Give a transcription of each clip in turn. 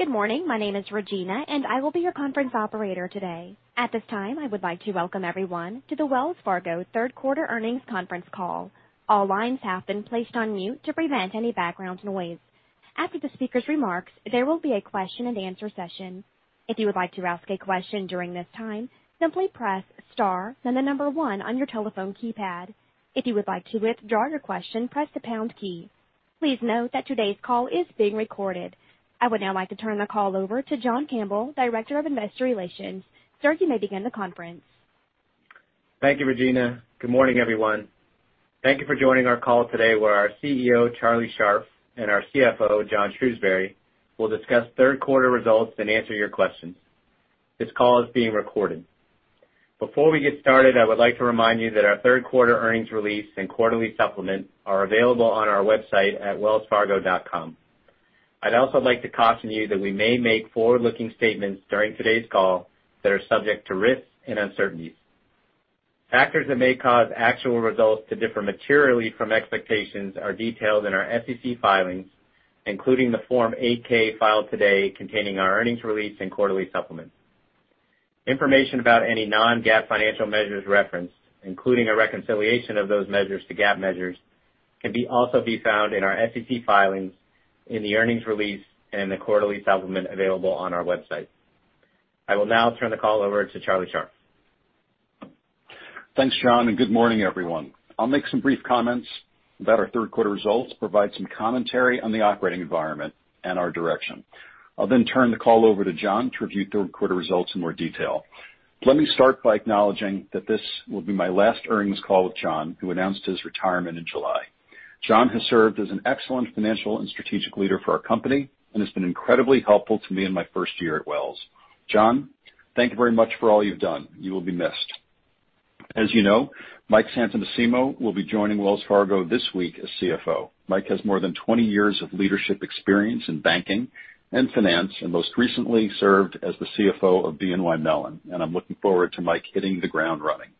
Good morning. My name is Regina, and I will be your conference operator today. At this time, I would like to welcome everyone to the Wells Fargo Third Quarter Earnings Conference Call. All lines have been placed on mute to prevent any background noise. After the speaker's remarks, there will be a question and answer session. If you would like to ask a question during this time, simply press star then the number one on your telephone keypad. If you would like to withdraw your question, press the pound key. Please note that today's call is being recorded. I would now like to turn the call over to John Campbell, Director of Investor Relations. Sir, you may begin the conference. Thank you, Regina. Good morning, everyone. Thank you for joining our call today, where our CEO, Charlie Scharf, and our CFO, John Shrewsberry, will discuss third quarter results and answer your questions. This call is being recorded. Before we get started, I would like to remind you that our third quarter earnings release and quarterly supplement are available on our website at wellsfargo.com. I'd also like to caution you that we may make forward-looking statements during today's call that are subject to risks and uncertainties. Factors that may cause actual results to differ materially from expectations are detailed in our SEC filings, including the Form 8-K filed today containing our earnings release and quarterly supplement. Information about any non-GAAP financial measures referenced, including a reconciliation of those measures to GAAP measures, can also be found in our SEC filings, in the earnings release, and in the quarterly supplement available on our website. I will now turn the call over to Charlie Scharf. Thanks, John. Good morning, everyone. I'll make some brief comments about our third quarter results, provide some commentary on the operating environment and our direction. I'll then turn the call over to John to review third quarter results in more detail. Let me start by acknowledging that this will be my last earnings call with John, who announced his retirement in July. John has served as an excellent financial and strategic leader for our company and has been incredibly helpful to me in my first year at Wells. John, thank you very much for all you've done. You will be missed. As you know, Mike Santomassimo will be joining Wells Fargo this week as CFO. Mike has more than 20 years of leadership experience in banking and finance, and most recently served as the CFO of BNY Mellon, and I'm looking forward to Mike hitting the ground running.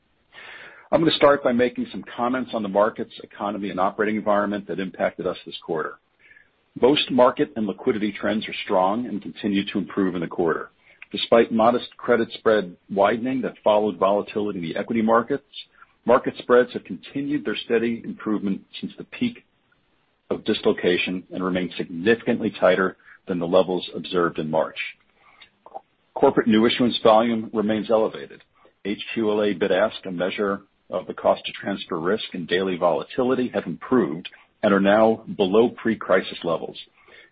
I'm going to start by making some comments on the markets, economy, and operating environment that impacted us this quarter. Most market and liquidity trends are strong and continue to improve in the quarter. Despite modest credit spread widening that followed volatility in the equity markets, market spreads have continued their steady improvement since the peak of dislocation and remain significantly tighter than the levels observed in March. Corporate new issuance volume remains elevated. HQLA bid-ask, a measure of the cost to transfer risk and daily volatility, have improved and are now below pre-crisis levels.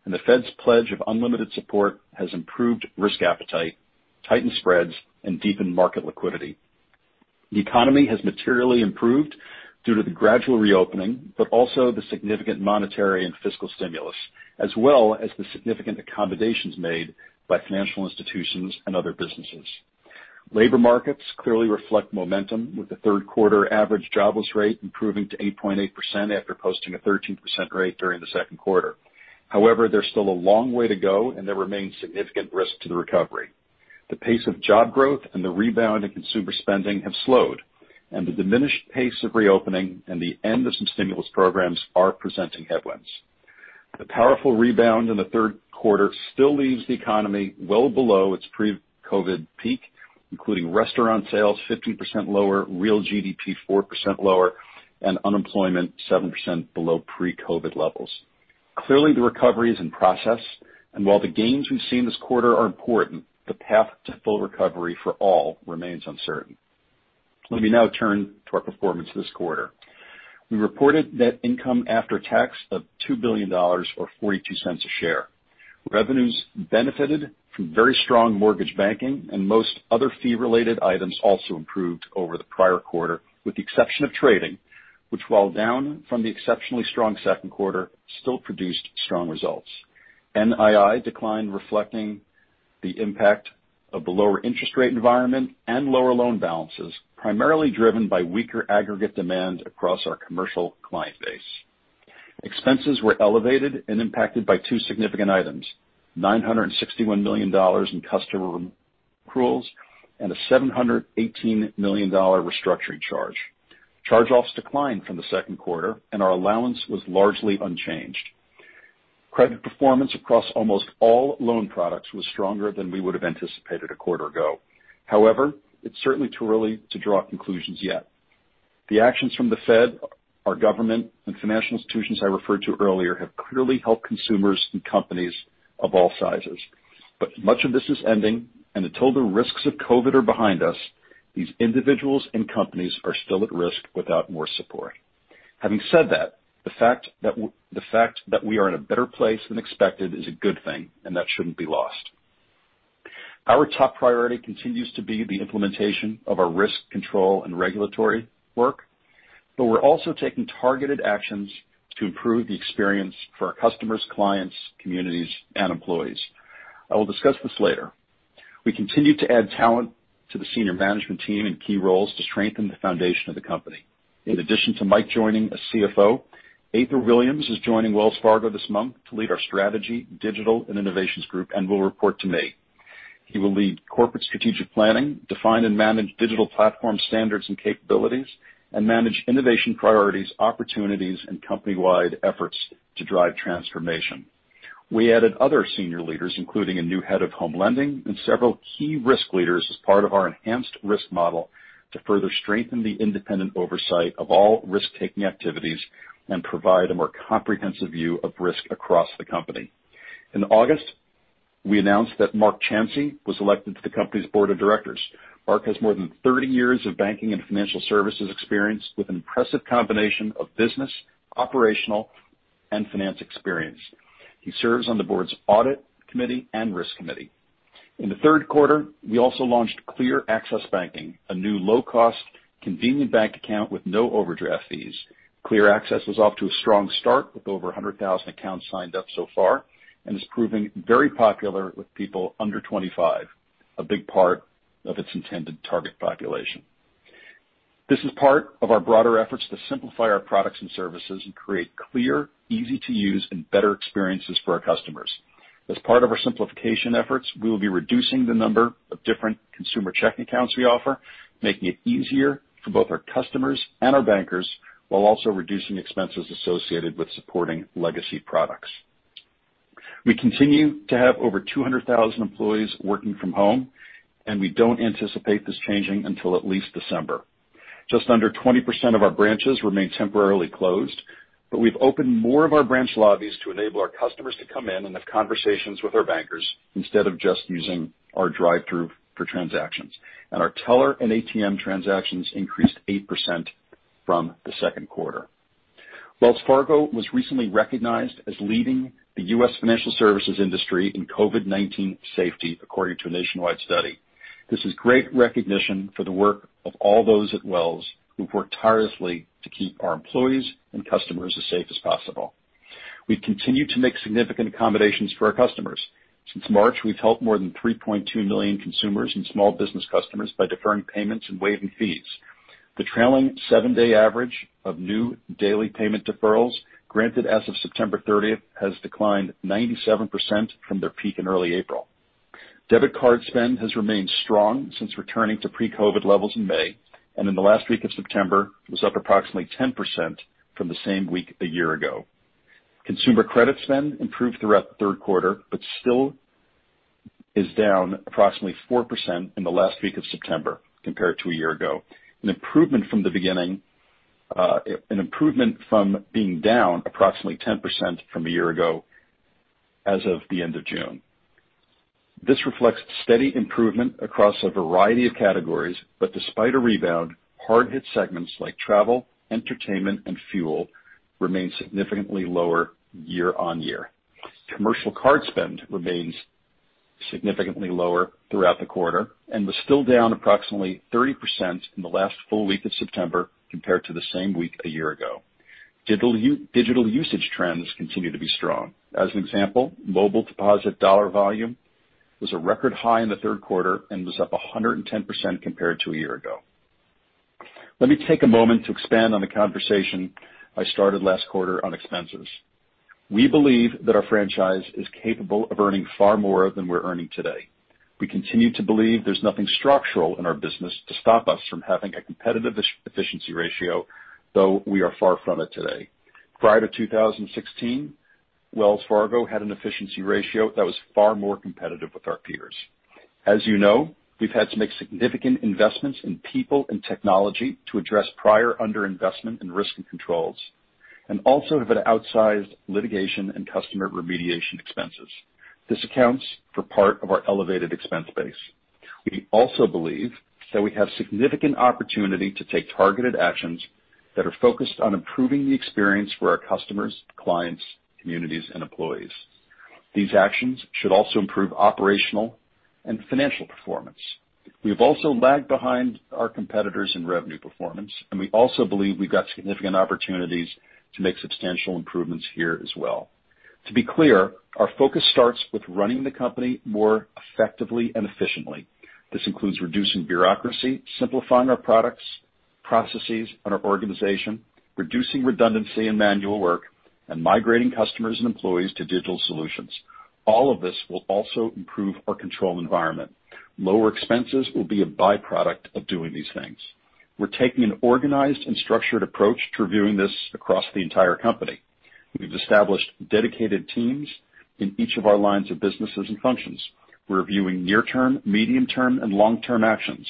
The Fed's pledge of unlimited support has improved risk appetite, tightened spreads, and deepened market liquidity. The economy has materially improved due to the gradual reopening, but also the significant monetary and fiscal stimulus, as well as the significant accommodations made by financial institutions and other businesses. Labor markets clearly reflect momentum, with the third quarter average jobless rate improving to 8.8% after posting a 13% rate during the second quarter. There's still a long way to go, and there remains significant risk to the recovery. The pace of job growth and the rebound in consumer spending have slowed, and the diminished pace of reopening and the end of some stimulus programs are presenting headwinds. The powerful rebound in the third quarter still leaves the economy well below its pre-COVID peak, including restaurant sales 50% lower, real GDP 4% lower, and unemployment 7% below pre-COVID levels. The recovery is in process, and while the gains we've seen this quarter are important, the path to full recovery for all remains uncertain. Let me now turn to our performance this quarter. We reported net income after tax of $2 billion, or $0.42 a share. Revenues benefited from very strong mortgage banking, and most other fee-related items also improved over the prior quarter, with the exception of trading, which while down from the exceptionally strong second quarter, still produced strong results. NII declined, reflecting the impact of the lower interest rate environment and lower loan balances, primarily driven by weaker aggregate demand across our commercial client base. Expenses were elevated and impacted by two significant items: $961 million in customer accruals and a $718 million restructuring charge. Charge-offs declined from the second quarter, and our allowance was largely unchanged. Credit performance across almost all loan products was stronger than we would've anticipated a quarter ago. However, it's certainly too early to draw conclusions yet. The actions from the Fed, our government, and financial institutions I referred to earlier have clearly helped consumers and companies of all sizes. Much of this is ending, and until the risks of COVID are behind us, these individuals and companies are still at risk without more support. Having said that, the fact that we are in a better place than expected is a good thing, and that shouldn't be lost. Our top priority continues to be the implementation of our risk control and regulatory work, but we're also taking targeted actions to improve the experience for our customers, clients, communities, and employees. I will discuss this later. We continue to add talent to the senior management team in key roles to strengthen the foundation of the company. In addition to Mike joining as CFO, Ather Williams is joining Wells Fargo this month to lead our Strategy, Digital, and Innovations Group and will report to me. He will lead corporate strategic planning, define and manage digital platform standards and capabilities, and manage innovation priorities, opportunities, and company-wide efforts to drive transformation. We added other senior leaders, including a new head of home lending and several key risk leaders as part of our enhanced risk model to further strengthen the independent oversight of all risk-taking activities and provide a more comprehensive view of risk across the company. In August, we announced that Mark Chancy was elected to the company's board of directors. Mark has more than 30 years of banking and financial services experience with an impressive combination of business, operational, and finance experience. He serves on the Board's Audit Committee and Risk Committee. In the third quarter, we also launched Clear Access Banking, a new low-cost, convenient bank account with no overdraft fees. Clear Access was off to a strong start with over 100,000 accounts signed up so far and is proving very popular with people under 25, a big part of its intended target population. This is part of our broader efforts to simplify our products and services and create clear, easy-to-use, and better experiences for our customers. As part of our simplification efforts, we will be reducing the number of different consumer checking accounts we offer, making it easier for both our customers and our bankers, while also reducing expenses associated with supporting legacy products. We continue to have over 200,000 employees working from home, and we don't anticipate this changing until at least December. Just under 20% of our branches remain temporarily closed, but we've opened more of our branch lobbies to enable our customers to come in and have conversations with our bankers instead of just using our drive-through for transactions. Our teller and ATM transactions increased 8% from the second quarter. Wells Fargo was recently recognized as leading the U.S. financial services industry in COVID-19 safety, according to a nationwide study. This is great recognition for the work of all those at Wells who've worked tirelessly to keep our employees and customers as safe as possible. We continue to make significant accommodations for our customers. Since March, we've helped more than 3.2 million consumers and small business customers by deferring payments and waiving fees. The trailing seven-day average of new daily payment deferrals granted as of September 30th has declined 97% from their peak in early April. Debit card spend has remained strong since returning to pre-COVID levels in May, and in the last week of September, was up approximately 10% from the same week a year ago. Consumer credit spend improved throughout the third quarter, but still is down approximately 4% in the last week of September compared to a year ago, an improvement from being down approximately 10% from a year ago as of the end of June. This reflects steady improvement across a variety of categories, but despite a rebound, hard-hit segments like travel, entertainment, and fuel remain significantly lower year on year. Commercial card spend remains significantly lower throughout the quarter and was still down approximately 30% in the last full week of September compared to the same week a year ago. Digital usage trends continue to be strong. As an example, mobile deposit dollar volume was a record high in the third quarter and was up 110% compared to a year ago. Let me take a moment to expand on the conversation I started last quarter on expenses. We believe that our franchise is capable of earning far more than we're earning today. We continue to believe there's nothing structural in our business to stop us from having a competitive efficiency ratio, though we are far from it today. Prior to 2016, Wells Fargo had an efficiency ratio that was far more competitive with our peers. As you know, we've had to make significant investments in people and technology to address prior underinvestment in risk and controls, and also have had outsized litigation and customer remediation expenses. This accounts for part of our elevated expense base. We also believe that we have significant opportunity to take targeted actions that are focused on improving the experience for our customers, clients, communities, and employees. These actions should also improve operational and financial performance. We've also lagged behind our competitors in revenue performance. We also believe we've got significant opportunities to make substantial improvements here as well. To be clear, our focus starts with running the company more effectively and efficiently. This includes reducing bureaucracy, simplifying our products, processes, and our organization, reducing redundancy and manual work, and migrating customers and employees to digital solutions. All of this will also improve our control environment. Lower expenses will be a byproduct of doing these things. We're taking an organized and structured approach to reviewing this across the entire company. We've established dedicated teams in each of our lines of businesses and functions. We're viewing near-term, medium-term, and long-term actions.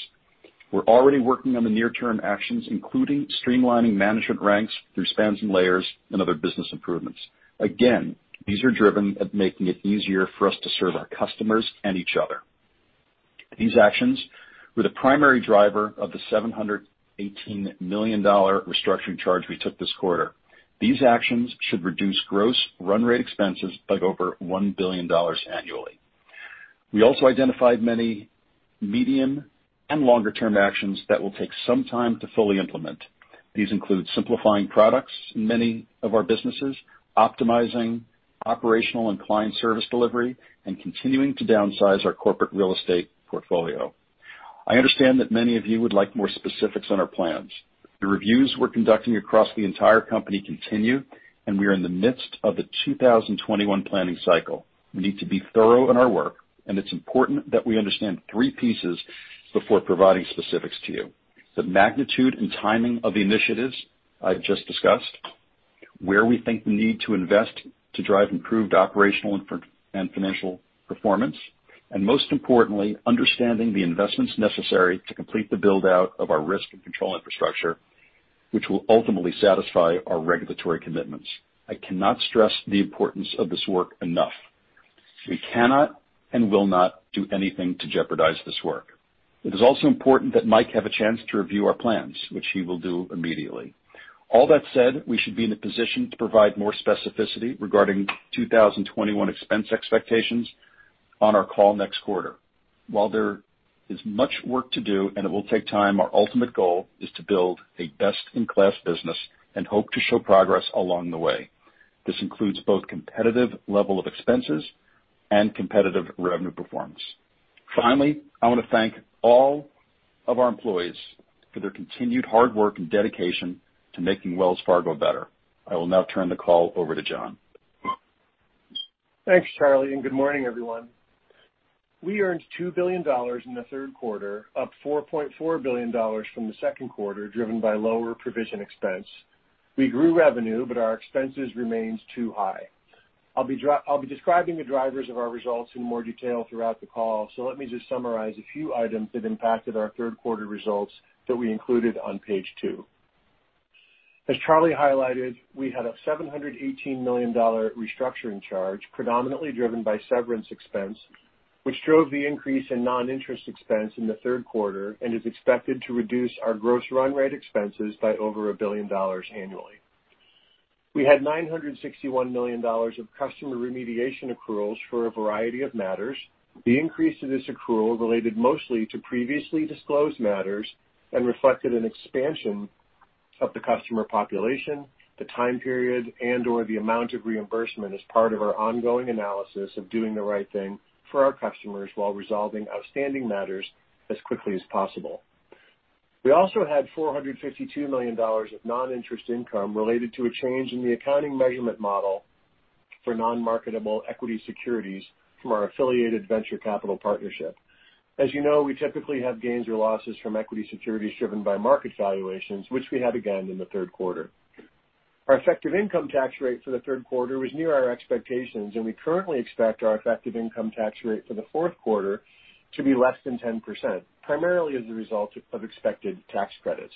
We're already working on the near-term actions, including streamlining management ranks through spans and layers and other business improvements. Again, these are driven at making it easier for us to serve our customers and each other. These actions were the primary driver of the $718 million restructuring charge we took this quarter. These actions should reduce gross run rate expenses by over $1 billion annually. We also identified many medium and longer-term actions that will take some time to fully implement. These include simplifying products in many of our businesses, optimizing operational and client service delivery, and continuing to downsize our corporate real estate portfolio. I understand that many of you would like more specifics on our plans. The reviews we're conducting across the entire company continue, and we are in the midst of the 2021 planning cycle. We need to be thorough in our work, and it's important that we understand three pieces before providing specifics to you. The magnitude and timing of the initiatives I've just discussed, where we think we need to invest to drive improved operational and financial performance, and most importantly, understanding the investments necessary to complete the build-out of our risk and control infrastructure, which will ultimately satisfy our regulatory commitments. I cannot stress the importance of this work enough. We cannot and will not do anything to jeopardize this work. It is also important that Mike have a chance to review our plans, which he will do immediately. All that said, we should be in a position to provide more specificity regarding 2021 expense expectations on our call next quarter. While there is much work to do, and it will take time, our ultimate goal is to build a best-in-class business and hope to show progress along the way. This includes both competitive level of expenses and competitive revenue performance. Finally, I want to thank all of our employees for their continued hard work and dedication to making Wells Fargo better. I will now turn the call over to John. Thanks, Charlie. Good morning, everyone. We earned $2 billion in the third quarter, up $4.4 billion from the second quarter, driven by lower provision expense. We grew revenue, but our expenses remains too high. I'll be describing the drivers of our results in more detail throughout the call, so let me just summarize a few items that impacted our third quarter results that we included on page two. As Charlie highlighted, we had a $718 million restructuring charge, predominantly driven by severance expense, which drove the increase in non-interest expense in the third quarter and is expected to reduce our gross run rate expenses by over $1 billion annually. We had $961 million of customer remediation accruals for a variety of matters. The increase of this accrual related mostly to previously disclosed matters and reflected an expansion of the customer population, the time period, and/or the amount of reimbursement as part of our ongoing analysis of doing the right thing for our customers while resolving outstanding matters as quickly as possible. We also had $452 million of non-interest income related to a change in the accounting measurement model for non-marketable equity securities from our affiliated venture capital partnership. As you know, we typically have gains or losses from equity securities driven by market valuations, which we had again in the third quarter. Our effective income tax rate for the third quarter was near our expectations, and we currently expect our effective income tax rate for the fourth quarter to be less than 10%, primarily as a result of expected tax credits.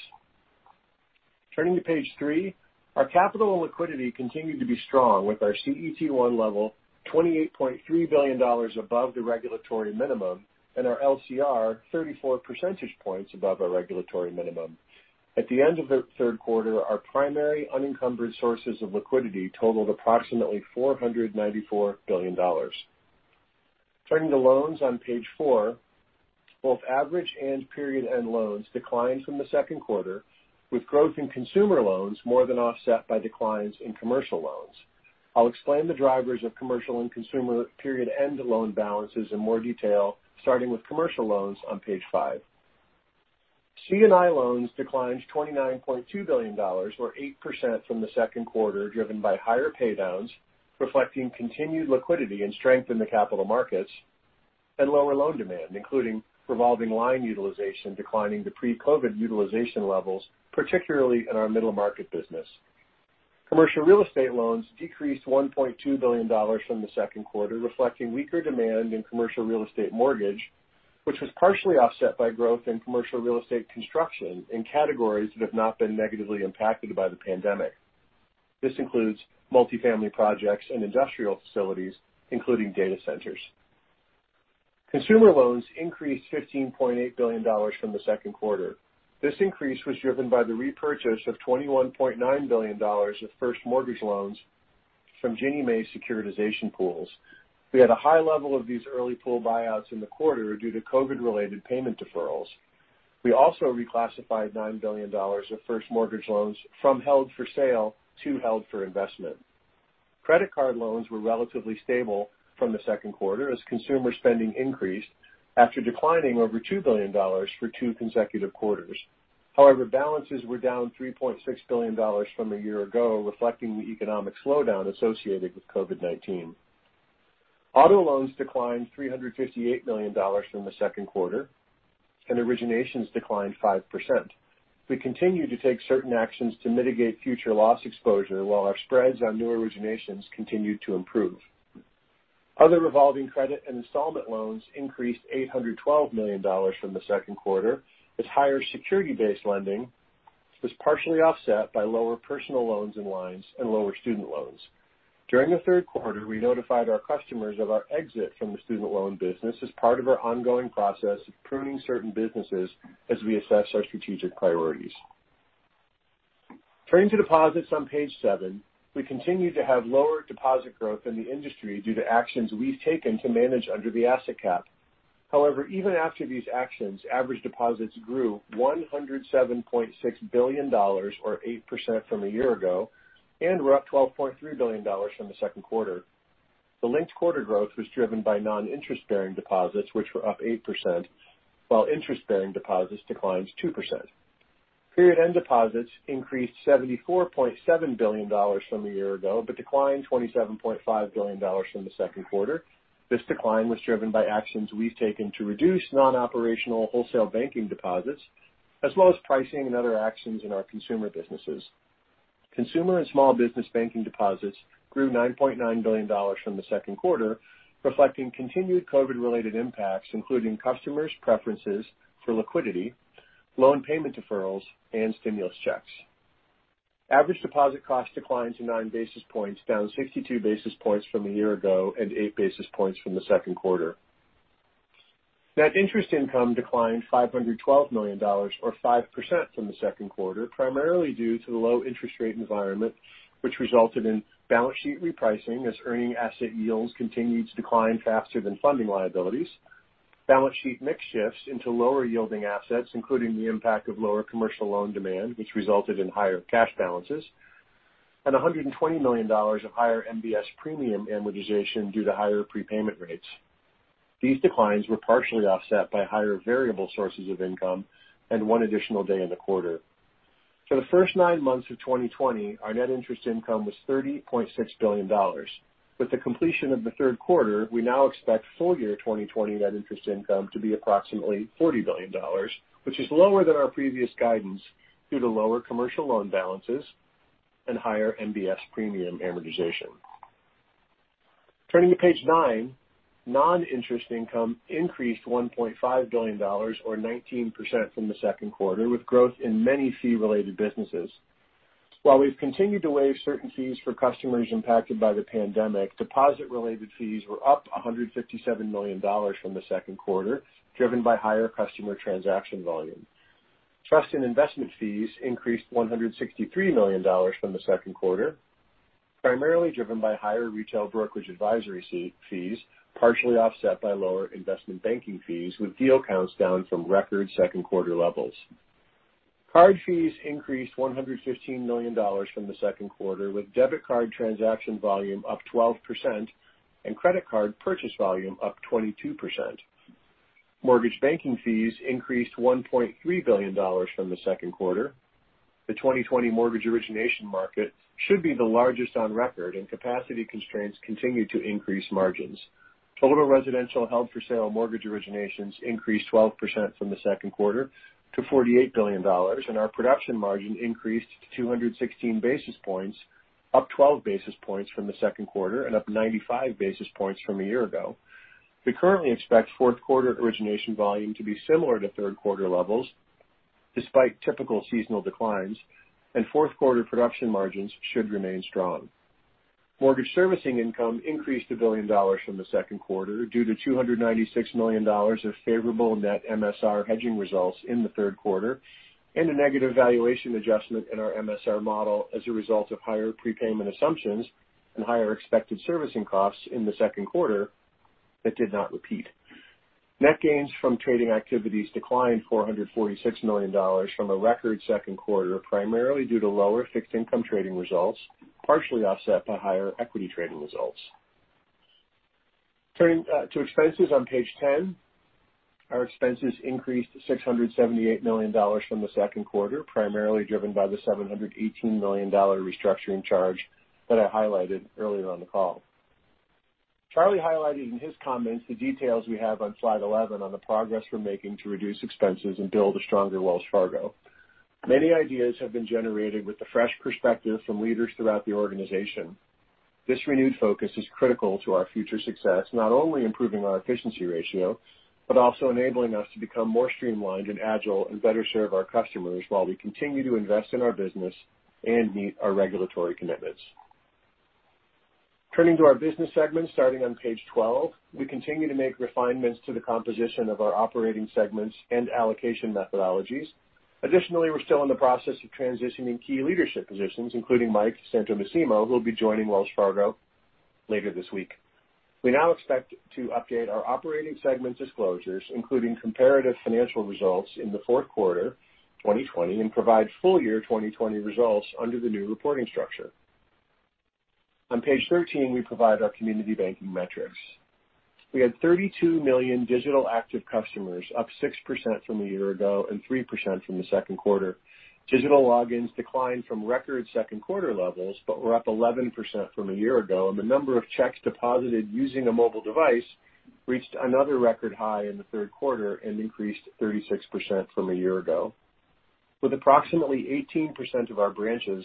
Turning to page three, our capital and liquidity continued to be strong with our CET1 level $28.3 billion above the regulatory minimum and our LCR 34 percentage points above our regulatory minimum. At the end of the third quarter, our primary unencumbered sources of liquidity totaled approximately $494 billion. Turning to loans on page four, both average and period-end loans declined from the second quarter, with growth in consumer loans more than offset by declines in commercial loans. I'll explain the drivers of commercial and consumer period-end loan balances in more detail, starting with commercial loans on page five. C&I loans declined $29.2 billion, or 8% from the second quarter, driven by higher pay-downs, reflecting continued liquidity and strength in the capital markets, and lower loan demand, including revolving line utilization declining to pre-COVID utilization levels, particularly in our middle market business. Commercial real estate loans decreased $1.2 billion from the second quarter, reflecting weaker demand in commercial real estate mortgage, which was partially offset by growth in commercial real estate construction in categories that have not been negatively impacted by the pandemic. This includes multifamily projects and industrial facilities, including data centers. Consumer loans increased $15.8 billion from the second quarter. This increase was driven by the repurchase of $21.9 billion of first mortgage loans from Ginnie Mae securitization pools. We had a high level of these early pool buyouts in the quarter due to COVID-related payment deferrals. We also reclassified $9 billion of first mortgage loans from held for sale to held for investment. Credit card loans were relatively stable from the second quarter as consumer spending increased after declining over $2 billion for two consecutive quarters. However, balances were down $3.6 billion from a year ago, reflecting the economic slowdown associated with COVID-19. Auto loans declined $358 million from the second quarter, and originations declined 5%. We continue to take certain actions to mitigate future loss exposure while our spreads on new originations continue to improve. Other revolving credit and installment loans increased $812 million from the second quarter, as higher security-based lending was partially offset by lower personal loans and lines and lower student loans. During the third quarter, we notified our customers of our exit from the student loan business as part of our ongoing process of pruning certain businesses as we assess our strategic priorities. Turning to deposits on page seven, we continue to have lower deposit growth in the industry due to actions we've taken to manage under the asset cap. However, even after these actions, average deposits grew $107.6 billion, or 8% from a year ago, and were up $12.3 billion from the second quarter. The linked quarter growth was driven by non-interest-bearing deposits, which were up 8%, while interest-bearing deposits declined 2%. Period-end deposits increased $74.7 billion from a year ago but declined $27.5 billion from the second quarter. This decline was driven by actions we've taken to reduce non-operational wholesale banking deposits, as well as pricing and other actions in our consumer businesses. Consumer and small business banking deposits grew $9.9 billion from the second quarter, reflecting continued COVID-related impacts, including customers' preferences for liquidity, loan payment deferrals, and stimulus checks. Average deposit costs declined to nine basis points, down 62 basis points from a year ago and eight basis points from the second quarter. Net interest income declined $512 million, or 5%, from the second quarter, primarily due to the low interest rate environment, which resulted in balance sheet repricing as earning asset yields continued to decline faster than funding liabilities. Balance sheet mix shifts into lower yielding assets, including the impact of lower commercial loan demand, which resulted in higher cash balances and $120 million of higher MBS premium amortization due to higher prepayment rates. These declines were partially offset by higher variable sources of income and one additional day in the quarter. For the first nine months of 2020, our net interest income was $30.6 billion. With the completion of the third quarter, we now expect full year 2020 net interest income to be approximately $40 billion, which is lower than our previous guidance due to lower commercial loan balances and higher MBS premium amortization. Turning to page nine, non-interest income increased $1.5 billion, or 19%, from the second quarter, with growth in many fee-related businesses. While we've continued to waive certain fees for customers impacted by the pandemic, deposit-related fees were up $157 million from the second quarter, driven by higher customer transaction volume. Trust and investment fees increased $163 million from the second quarter, primarily driven by higher retail brokerage advisory fees, partially offset by lower investment banking fees, with deal counts down from record second quarter levels. Card fees increased $115 million from the second quarter, with debit card transaction volume up 12% and credit card purchase volume up 22%. Mortgage banking fees increased $1.3 billion from the second quarter. The 2020 mortgage origination market should be the largest on record, and capacity constraints continue to increase margins. Total residential held for sale mortgage originations increased 12% from the second quarter to $48 billion, and our production margin increased to 216 basis points, up 12 basis points from the second quarter and up 95 basis points from a year ago. We currently expect fourth quarter origination volume to be similar to third quarter levels, despite typical seasonal declines, and fourth quarter production margins should remain strong. Mortgage servicing income increased $1 billion from the second quarter, due to $296 million of favorable net MSR hedging results in the third quarter, and a negative valuation adjustment in our MSR model as a result of higher prepayment assumptions and higher expected servicing costs in the second quarter that did not repeat. Net gains from trading activities declined $446 million from a record second quarter, primarily due to lower fixed income trading results, partially offset by higher equity trading results. Turning to expenses on page 10, our expenses increased $678 million from the second quarter, primarily driven by the $718 million restructuring charge that I highlighted earlier on the call. Charlie highlighted in his comments the details we have on slide 11 on the progress we're making to reduce expenses and build a stronger Wells Fargo. Many ideas have been generated with the fresh perspective from leaders throughout the organization. This renewed focus is critical to our future success, not only improving our efficiency ratio, but also enabling us to become more streamlined and agile and better serve our customers while we continue to invest in our business and meet our regulatory commitments. Turning to our business segments, starting on page 12, we continue to make refinements to the composition of our operating segments and allocation methodologies. Additionally, we're still in the process of transitioning key leadership positions, including Mike Santomassimo, who'll be joining Wells Fargo later this week. We now expect to update our operating segment disclosures, including comparative financial results in the fourth quarter 2020, and provide full year 2020 results under the new reporting structure. On page 13, we provide our community banking metrics. We had 32 million digital active customers, up 6% from a year ago and 3% from the second quarter. Digital logins declined from record second quarter levels, but were up 11% from a year ago, and the number of checks deposited using a mobile device reached another record high in the third quarter and increased 36% from a year ago. With approximately 18% of our branches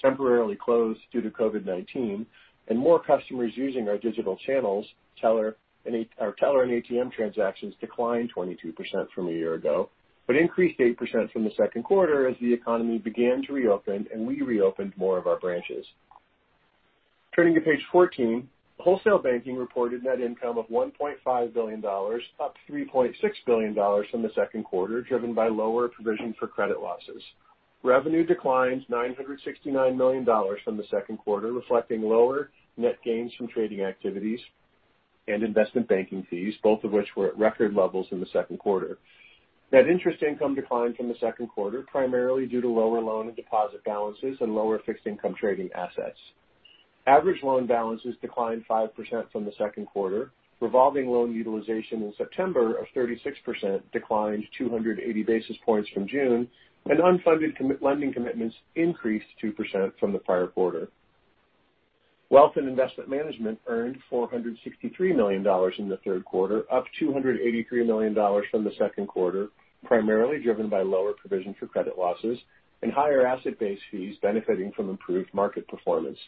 temporarily closed due to COVID-19 and more customers using our digital channels, teller and our teller and ATM transactions declined 22% from a year ago, but increased 8% from the second quarter as the economy began to reopen and we reopened more of our branches. Turning to page 14, Wholesale Banking reported net income of $1.5 billion, up $3.6 billion from the second quarter, driven by lower provision for credit losses. Revenue declined $969 million from the second quarter, reflecting lower net gains from trading activities. Investment banking fees, both of which were at record levels in the second quarter. Net interest income declined from the second quarter, primarily due to lower loan and deposit balances and lower fixed income trading assets. Average loan balances declined 5% from the second quarter. Revolving loan utilization in September of 36% declined 280 basis points from June, and unfunded lending commitments increased 2% from the prior quarter. Wealth and Investment Management earned $463 million in the third quarter, up $283 million from the second quarter, primarily driven by lower provision for credit losses and higher asset-based fees benefiting from improved market performance.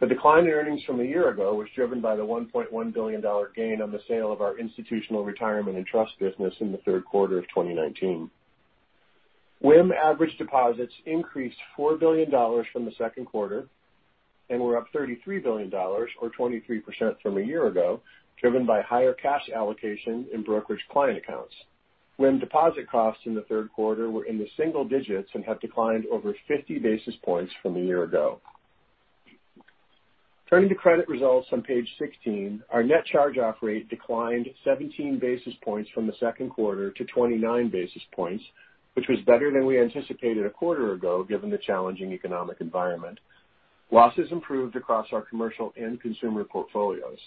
The decline in earnings from a year ago was driven by the $1.1 billion gain on the sale of our Institutional Retirement and Trust business in the third quarter of 2019. WIM average deposits increased $4 billion from the second quarter and were up $33 billion, or 23% from a year ago, driven by higher cash allocation in brokerage client accounts. WIM deposit costs in the third quarter were in the single digits and have declined over 50 basis points from a year ago. Turning to credit results on page 16, our net charge-off rate declined 17 basis points from the second quarter to 29 basis points, which was better than we anticipated a quarter ago given the challenging economic environment. Losses improved across our commercial and consumer portfolios.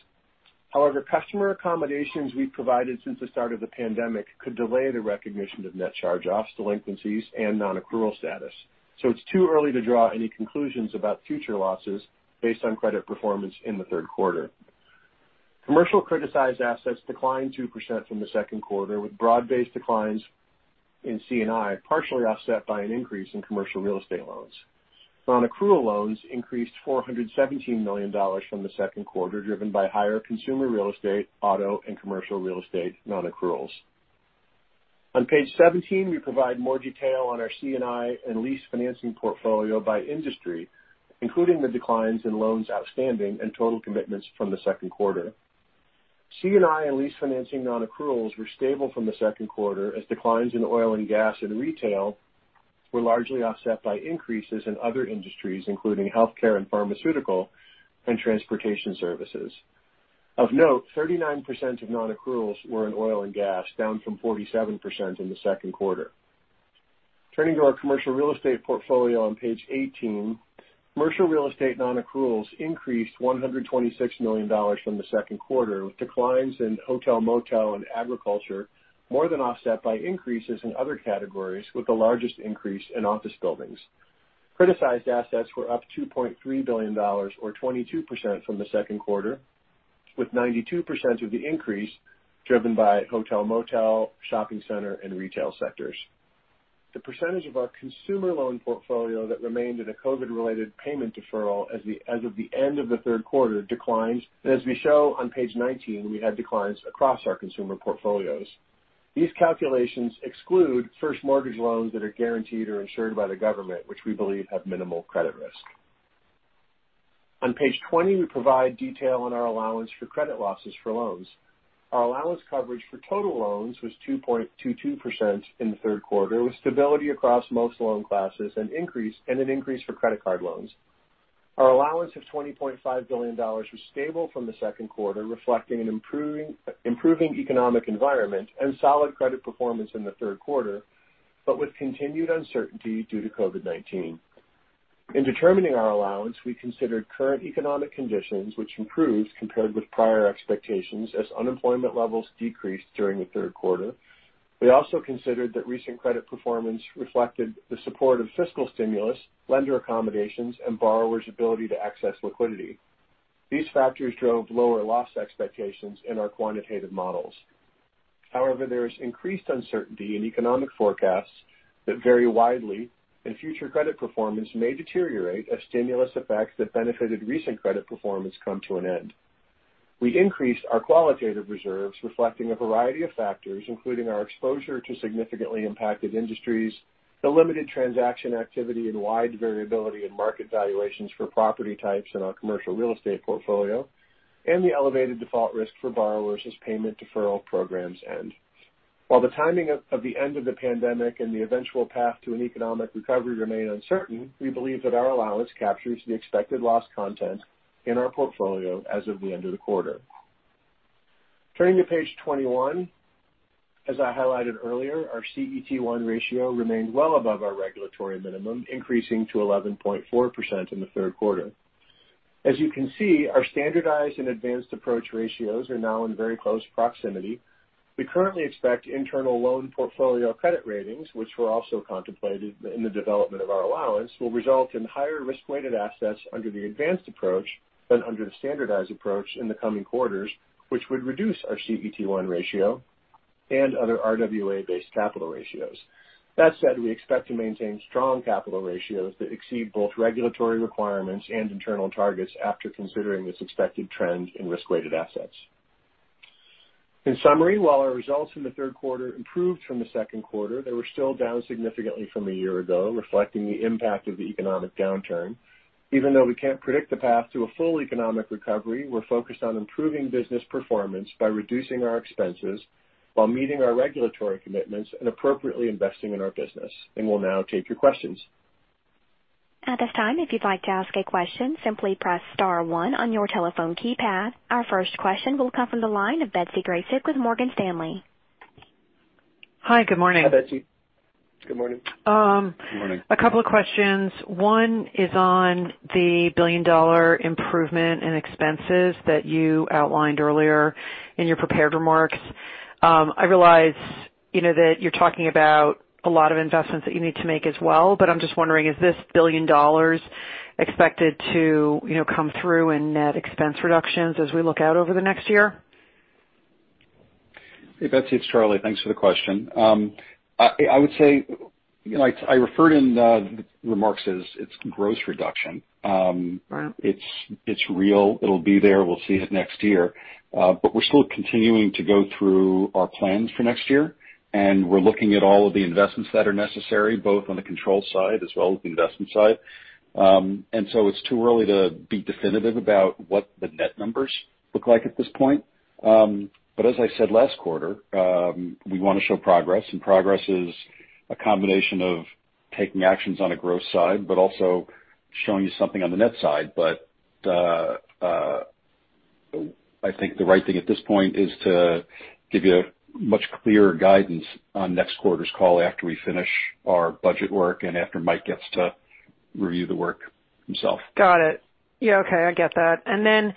However, customer accommodations we've provided since the start of the pandemic could delay the recognition of net charge-offs, delinquencies, and non-accrual status, so it's too early to draw any conclusions about future losses based on credit performance in the third quarter. Commercial criticized assets declined 2% from the second quarter, with broad-based declines in C&I, partially offset by an increase in commercial real estate loans. Non-accrual loans increased $417 million from the second quarter, driven by higher consumer real estate, auto, and commercial real estate non-accruals. On page 17, we provide more detail on our C&I and lease financing portfolio by industry, including the declines in loans outstanding and total commitments from the second quarter. C&I and lease financing non-accruals were stable from the second quarter, as declines in oil and gas and retail were largely offset by increases in other industries, including healthcare and pharmaceutical and transportation services. Of note, 39% of non-accruals were in oil and gas, down from 47% in the second quarter. Turning to our commercial real estate portfolio on page 18, commercial real estate non-accruals increased $126 million from the second quarter, with declines in hotel/motel and agriculture more than offset by increases in other categories, with the largest increase in office buildings. Criticized assets were up $2.3 billion, or 22% from the second quarter, with 92% of the increase driven by hotel/motel, shopping center, and retail sectors. The percentage of our consumer loan portfolio that remained in a COVID-related payment deferral as of the end of the third quarter declined. As we show on page 19, we had declines across our consumer portfolios. These calculations exclude first mortgage loans that are guaranteed or insured by the government, which we believe have minimal credit risk. On page 20, we provide detail on our allowance for credit losses for loans. Our allowance coverage for total loans was 2.22% in the third quarter, with stability across most loan classes and an increase for credit card loans. Our allowance of $20.5 billion was stable from the second quarter, reflecting an improving economic environment and solid credit performance in the third quarter, but with continued uncertainty due to COVID-19. In determining our allowance, we considered current economic conditions, which improved compared with prior expectations as unemployment levels decreased during the third quarter. We also considered that recent credit performance reflected the support of fiscal stimulus, lender accommodations, and borrowers' ability to access liquidity. These factors drove lower loss expectations in our quantitative models. However, there is increased uncertainty in economic forecasts that vary widely and future credit performance may deteriorate as stimulus effects that benefited recent credit performance come to an end. We increased our qualitative reserves reflecting a variety of factors, including our exposure to significantly impacted industries, the limited transaction activity and wide variability in market valuations for property types in our commercial real estate portfolio, and the elevated default risk for borrowers as payment deferral programs end. While the timing of the end of the pandemic and the eventual path to an economic recovery remain uncertain, we believe that our allowance captures the expected loss content in our portfolio as of the end of the quarter. Turning to page 21, as I highlighted earlier, our CET1 ratio remained well above our regulatory minimum, increasing to 11.4% in the third quarter. As you can see, our standardized and advanced approach ratios are now in very close proximity. We currently expect internal loan portfolio credit ratings, which were also contemplated in the development of our allowance, will result in higher risk-weighted assets under the advanced approach than under the standardized approach in the coming quarters, which would reduce our CET1 ratio and other RWA-based capital ratios. That said, we expect to maintain strong capital ratios that exceed both regulatory requirements and internal targets after considering this expected trend in risk-weighted assets. In summary, while our results in the third quarter improved from the second quarter, they were still down significantly from one year ago, reflecting the impact of the economic downturn. Even though we can't predict the path to a full economic recovery, we're focused on improving business performance by reducing our expenses while meeting our regulatory commitments and appropriately investing in our business. We'll now take your questions. At this time, if you would like to ask a question, simply press star one on your telephone keypad. Our first question will come from the line of Betsy Graseck with Morgan Stanley. Hi, good morning. Hi, Betsy. Good morning. A couple of questions. One is on the billion-dollar improvement in expenses that you outlined earlier in your prepared remarks. I realize that you're talking about a lot of investments that you need to make as well, but I'm just wondering, is this $1 billion expected to come through in net expense reductions as we look out over the next year? Hey, Betsy, it's Charlie. Thanks for the question. I would say, I referred in the remarks as it's gross reduction. Right. It's real. It'll be there. We'll see it next year. We're still continuing to go through our plans for next year, and we're looking at all of the investments that are necessary, both on the control side as well as the investment side. It's too early to be definitive about what the net numbers look like at this point. As I said last quarter, we want to show progress, and progress is a combination of taking actions on a gross side, but also showing you something on the net side. I think the right thing at this point is to give you a much clearer guidance on next quarter's call after we finish our budget work and after Mike gets to review the work himself. Got it. Yeah. Okay. I get that.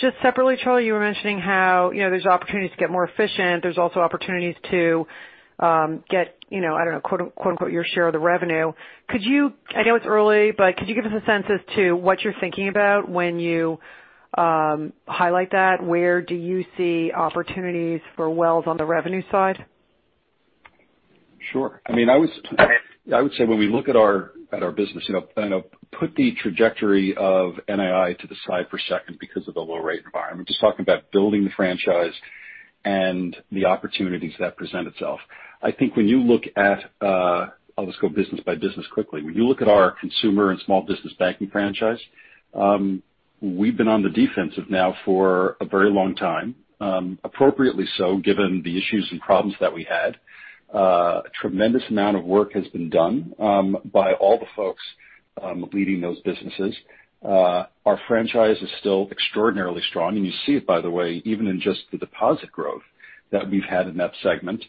Just separately, Charlie, you were mentioning how there's opportunities to get more efficient. There's also opportunities to get, I don't know, quote-unquote, "your share of the revenue." I know it's early, but could you give us a sense as to what you're thinking about when you highlight that? Where do you see opportunities for Wells on the revenue side? Sure. I would say when we look at our business, put the trajectory of NII to the side for a second because of the low rate environment. Talking about building the franchise and the opportunities that present itself. I'll just go business by business quickly. When you look at our consumer and small business banking franchise, we've been on the defensive now for a very long time. Appropriately so, given the issues and problems that we had. A tremendous amount of work has been done by all the folks leading those businesses. Our franchise is still extraordinarily strong, and you see it, by the way, even in just the deposit growth that we've had in that segment,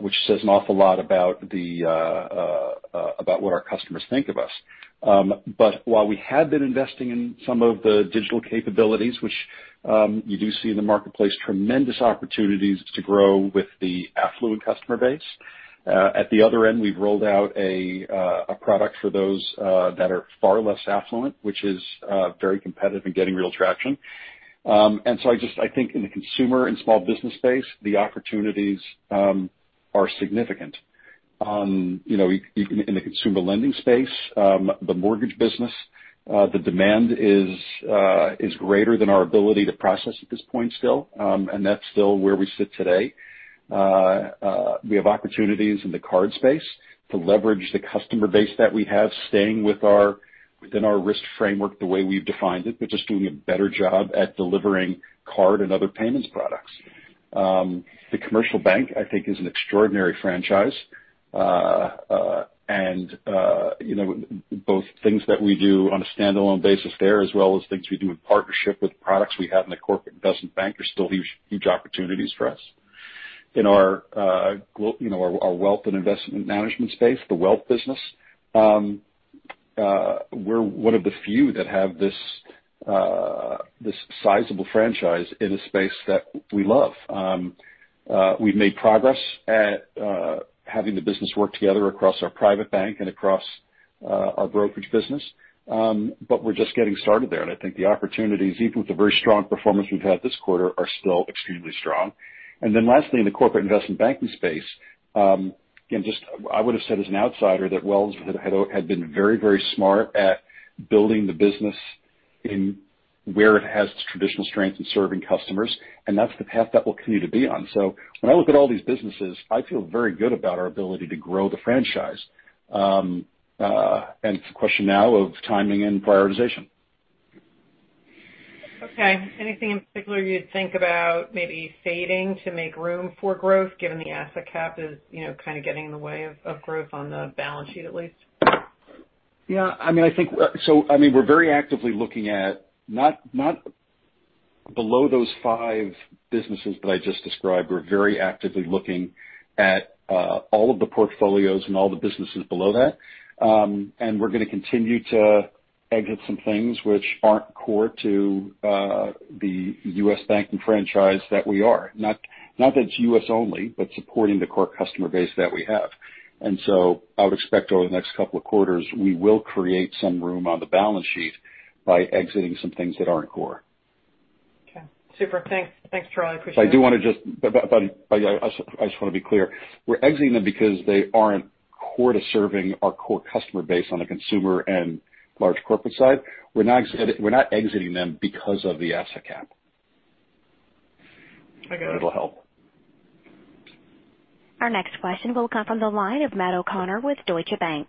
which says an awful lot about what our customers think of us. While we had been investing in some of the digital capabilities, which you do see in the marketplace, tremendous opportunities to grow with the affluent customer base. At the other end, we've rolled out a product for those that are far less affluent, which is very competitive and getting real traction. I think in the consumer and small business space, the opportunities are significant. In the consumer lending space, the mortgage business, the demand is greater than our ability to process at this point still. That's still where we sit today. We have opportunities in the card space to leverage the customer base that we have, staying within our risk framework the way we've defined it, but just doing a better job at delivering card and other payments products. The commercial bank, I think, is an extraordinary franchise. Both things that we do on a standalone basis there, as well as things we do in partnership with products we have in the Corporate Investment Bank are still huge opportunities for us. In our Wealth and Investment Management space, the Wealth Business, we're one of the few that have this sizable franchise in a space that we love. We've made progress at having the business work together across our Private Bank and across our brokerage business. We're just getting started there, and I think the opportunities, even with the very strong performance we've had this quarter, are still extremely strong. Lastly, in the Corporate Investment Banking space, I would've said as an outsider that Wells had been very smart at building the business where it has traditional strengths in serving customers, and that's the path that we'll continue to be on. When I look at all these businesses, I feel very good about our ability to grow the franchise. It's a question now of timing and prioritization. Okay. Anything in particular you'd think about maybe fading to make room for growth, given the asset cap is kind of getting in the way of growth on the balance sheet at least? Yeah. We're very actively looking at not below those five businesses that I just described. We're very actively looking at all of the portfolios and all the businesses below that. We're going to continue to exit some things which aren't core to the U.S. banking franchise that we are. Not that it's U.S. only, but supporting the core customer base that we have. I would expect over the next couple of quarters, we will create some room on the balance sheet by exiting some things that aren't core. Okay. Super. Thanks, Charlie. Appreciate it. I just want to be clear. We're exiting them because they aren't core to serving our core customer base on the consumer and large corporate side. We're not exiting them because of the asset cap. I got it. It'll help. Our next question will come from the line of Matt O'Connor with Deutsche Bank.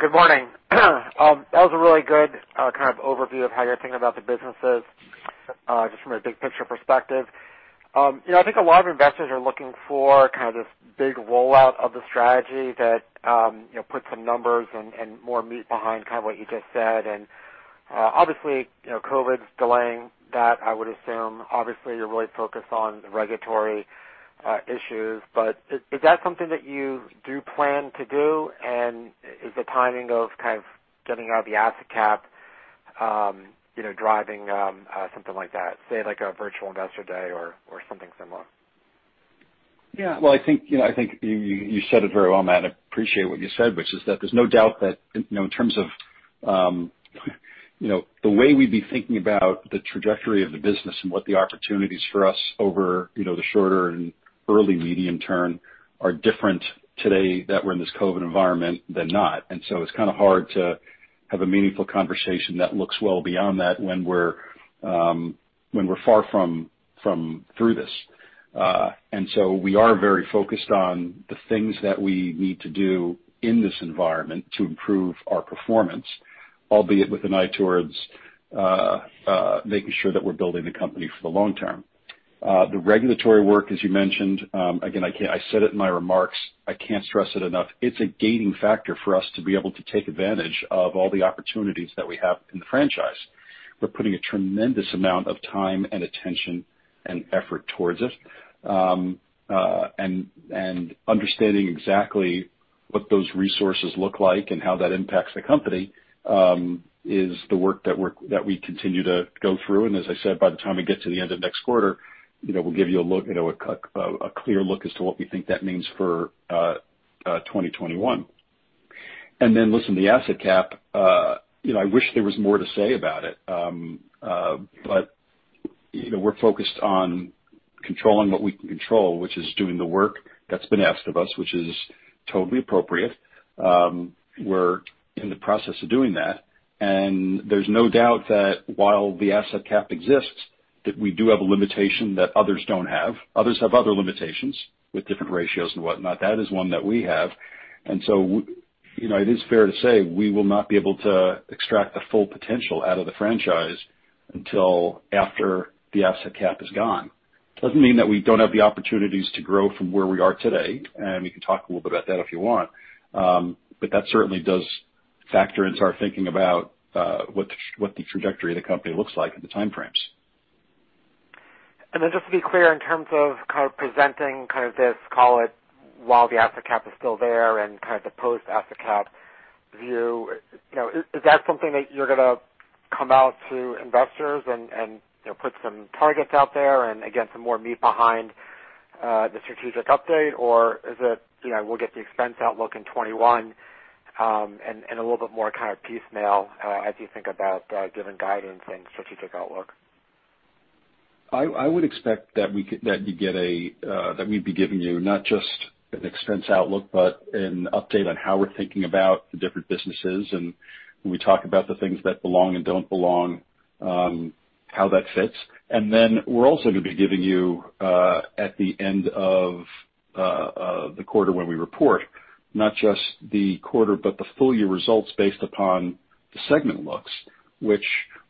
Good morning. That was a really good kind of overview of how you're thinking about the businesses, just from a big picture perspective. I think a lot of investors are looking for kind of this big rollout of the strategy that puts some numbers and more meat behind what you just said. Obviously, COVID's delaying that, I would assume. Obviously, you're really focused on the regulatory issues, but is that something that you do plan to do? Is the timing of kind of getting out of the asset cap driving something like that? Say, like a virtual investor day or something similar? Yeah. Well, I think you said it very well, Matt. I appreciate what you said, which is that there's no doubt that in terms of the way we'd be thinking about the trajectory of the business and what the opportunities for us over the shorter and early medium-term are different today that we're in this COVID environment than not. It's kind of hard to have a meaningful conversation that looks well beyond that when we're far from through this. We are very focused on the things that we need to do in this environment to improve our performance, albeit with an eye towards making sure that we're building the company for the long term. The regulatory work, as you mentioned, again, I said it in my remarks, I can't stress it enough, it's a gating factor for us to be able to take advantage of all the opportunities that we have in the franchise. We're putting a tremendous amount of time and attention and effort towards it. Understanding exactly what those resources look like and how that impacts the company, is the work that we continue to go through. As I said, by the time we get to the end of next quarter, we'll give you a clear look as to what we think that means for 2021. Listen, the asset cap, I wish there was more to say about it. We're focused on controlling what we can control, which is doing the work that's been asked of us, which is totally appropriate. We're in the process of doing that, and there's no doubt that while the asset cap exists, that we do have a limitation that others don't have. Others have other limitations with different ratios and whatnot. That is one that we have. It is fair to say we will not be able to extract the full potential out of the franchise until after the asset cap is gone. Doesn't mean that we don't have the opportunities to grow from where we are today, and we can talk a little bit about that if you want. That certainly does factor into our thinking about what the trajectory of the company looks like and the time frames. Just to be clear, in terms of kind of presenting this, call it while the asset cap is still there and kind of the post-asset cap view, is that something that you're going to come out to investors and put some targets out there and again, some more meat behind the strategic update? Or is it we'll get the expense outlook in 2021, and a little bit more kind of piecemeal as you think about giving guidance and strategic outlook? I would expect that we'd be giving you not just an expense outlook, but an update on how we're thinking about the different businesses and when we talk about the things that belong and don't belong, how that fits. We're also going to be giving you, at the end of the quarter when we report, not just the quarter, but the full-year results based upon the segment looks, which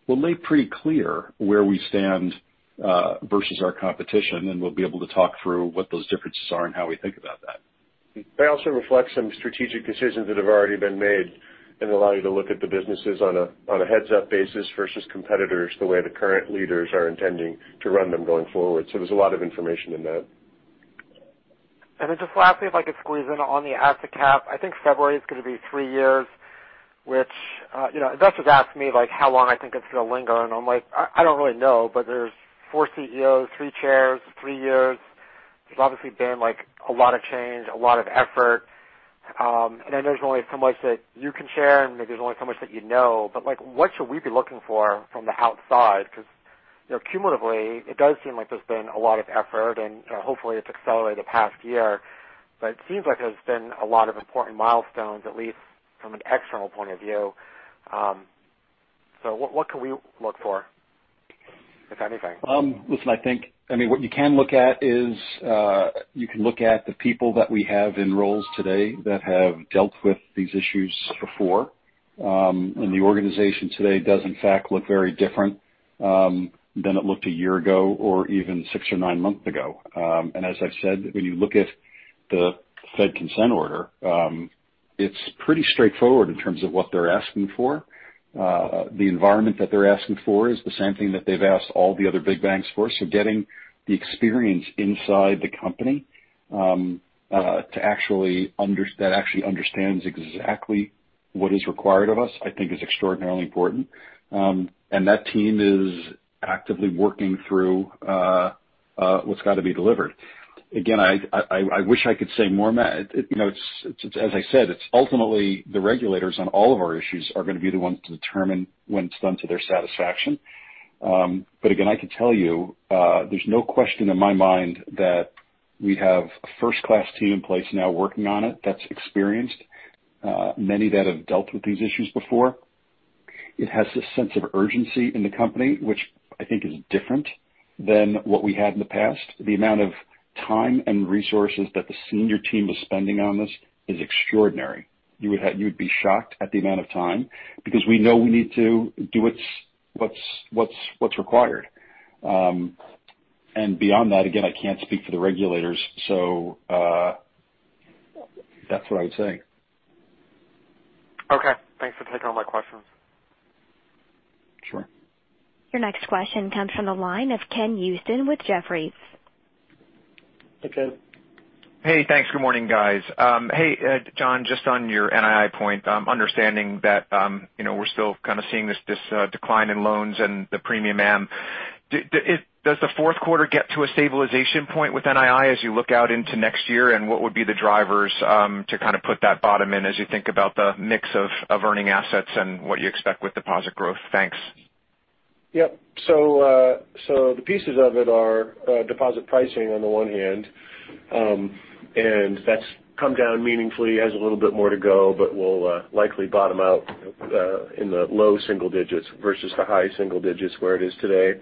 will lay pretty clear where we stand versus our competition, and we'll be able to talk through what those differences are and how we think about that. They also reflect some strategic decisions that have already been made and allow you to look at the businesses on a heads-up basis versus competitors, the way the current leaders are intending to run them going forward. There's a lot of information in that. Just lastly, if I could squeeze in on the asset cap. I think February is going to be three years, which investors ask me how long I think it's going to linger, and I'm like, "I don't really know." There's four CEOs, three chairs, three years. There's obviously been a lot of change, a lot of effort. I know there's only so much that you can share, and there's only so much that you know, but what should we be looking for from the outside? Cumulatively, it does seem like there's been a lot of effort, and hopefully it's accelerated the past year. It seems like there's been a lot of important milestones, at least from an external point of view. What can we look for, if anything? Listen, I think what you can look at is you can look at the people that we have in roles today that have dealt with these issues before. The organization today does in fact look very different than it looked a year ago or even six or nine months ago. As I said, when you look at the Fed consent order, it's pretty straightforward in terms of what they're asking for. The environment that they're asking for is the same thing that they've asked all the other big banks for. Getting the experience inside the company that actually understands exactly what is required of us, I think is extraordinarily important. That team is actively working through what's got to be delivered. Again, I wish I could say more, Matt. As I said, it's ultimately the regulators on all of our issues are going to be the ones to determine when it's done to their satisfaction. Again, I can tell you, there's no question in my mind that we have a first-class team in place now working on it that's experienced, many that have dealt with these issues before. It has this sense of urgency in the company, which I think is different than what we had in the past. The amount of time and resources that the senior team is spending on this is extraordinary. You'd be shocked at the amount of time because we know we need to do what's required. Beyond that, again, I can't speak for the regulators, so that's what I would say. Okay. Thanks for taking all my questions. Sure. Your next question comes from the line of Ken Usdin with Jefferies. Hey, Ken. Hey, thanks. Good morning, guys. Hey, John, just on your NII point, understanding that we're still kind of seeing this decline in loans and the premium am. Does the fourth quarter get to a stabilization point with NII as you look out into next year, and what would be the drivers to kind of put that bottom in as you think about the mix of earning assets and what you expect with deposit growth? Thanks. Yep. The pieces of it are deposit pricing on the one hand, and that's come down meaningfully, has a little bit more to go, but will likely bottom out in the low single digits versus the high single digits where it is today.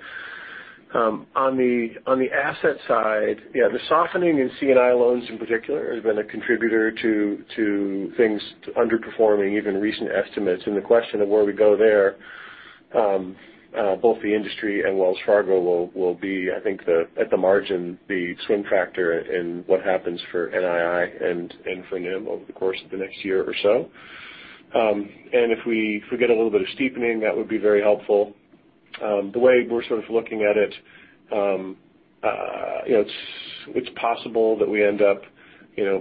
On the asset side, the softening in C&I loans in particular has been a contributor to things underperforming even recent estimates. The question of where we go there, both the industry and Wells Fargo will be, I think at the margin, the swing factor in what happens for NII and for NIM over the course of the next year or so. If we get a little bit of steepening, that would be very helpful. The way we're sort of looking at it's possible that we end up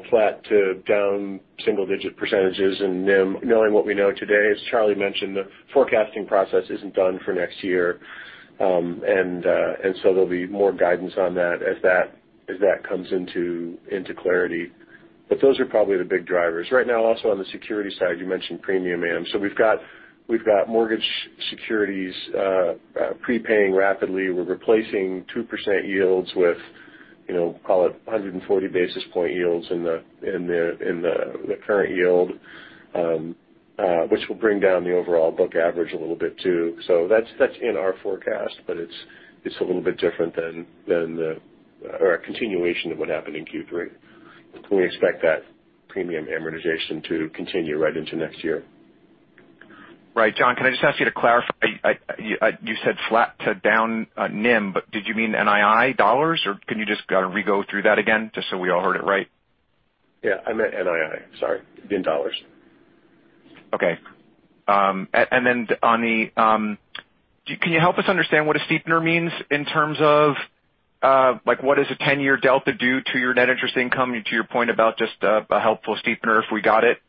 flat to down single-digit percentages in NIM. Knowing what we know today, as Charlie mentioned, the forecasting process isn't done for next year. There'll be more guidance on that as that comes into clarity. Those are probably the big drivers. Right now, also on the security side, you mentioned premium am. We've got mortgage securities prepaying rapidly. We're replacing 2% yields with, call it 140 basis point yields in the current yield, which will bring down the overall book average a little bit too. That's in our forecast, but it's a little bit different than the, or a continuation of what happened in Q3. We expect that premium amortization to continue right into next year. Right. John, can I just ask you to clarify? You said flat to down NIM. Did you mean NII dollars, or can you just kind of re-go through that again, just so we all heard it right? Yeah, I meant NII, sorry, in dollars. Okay. Can you help us understand what a steepener means in terms of what does a 10-year delta do to your net interest income, to your point about just a helpful steepener if we got it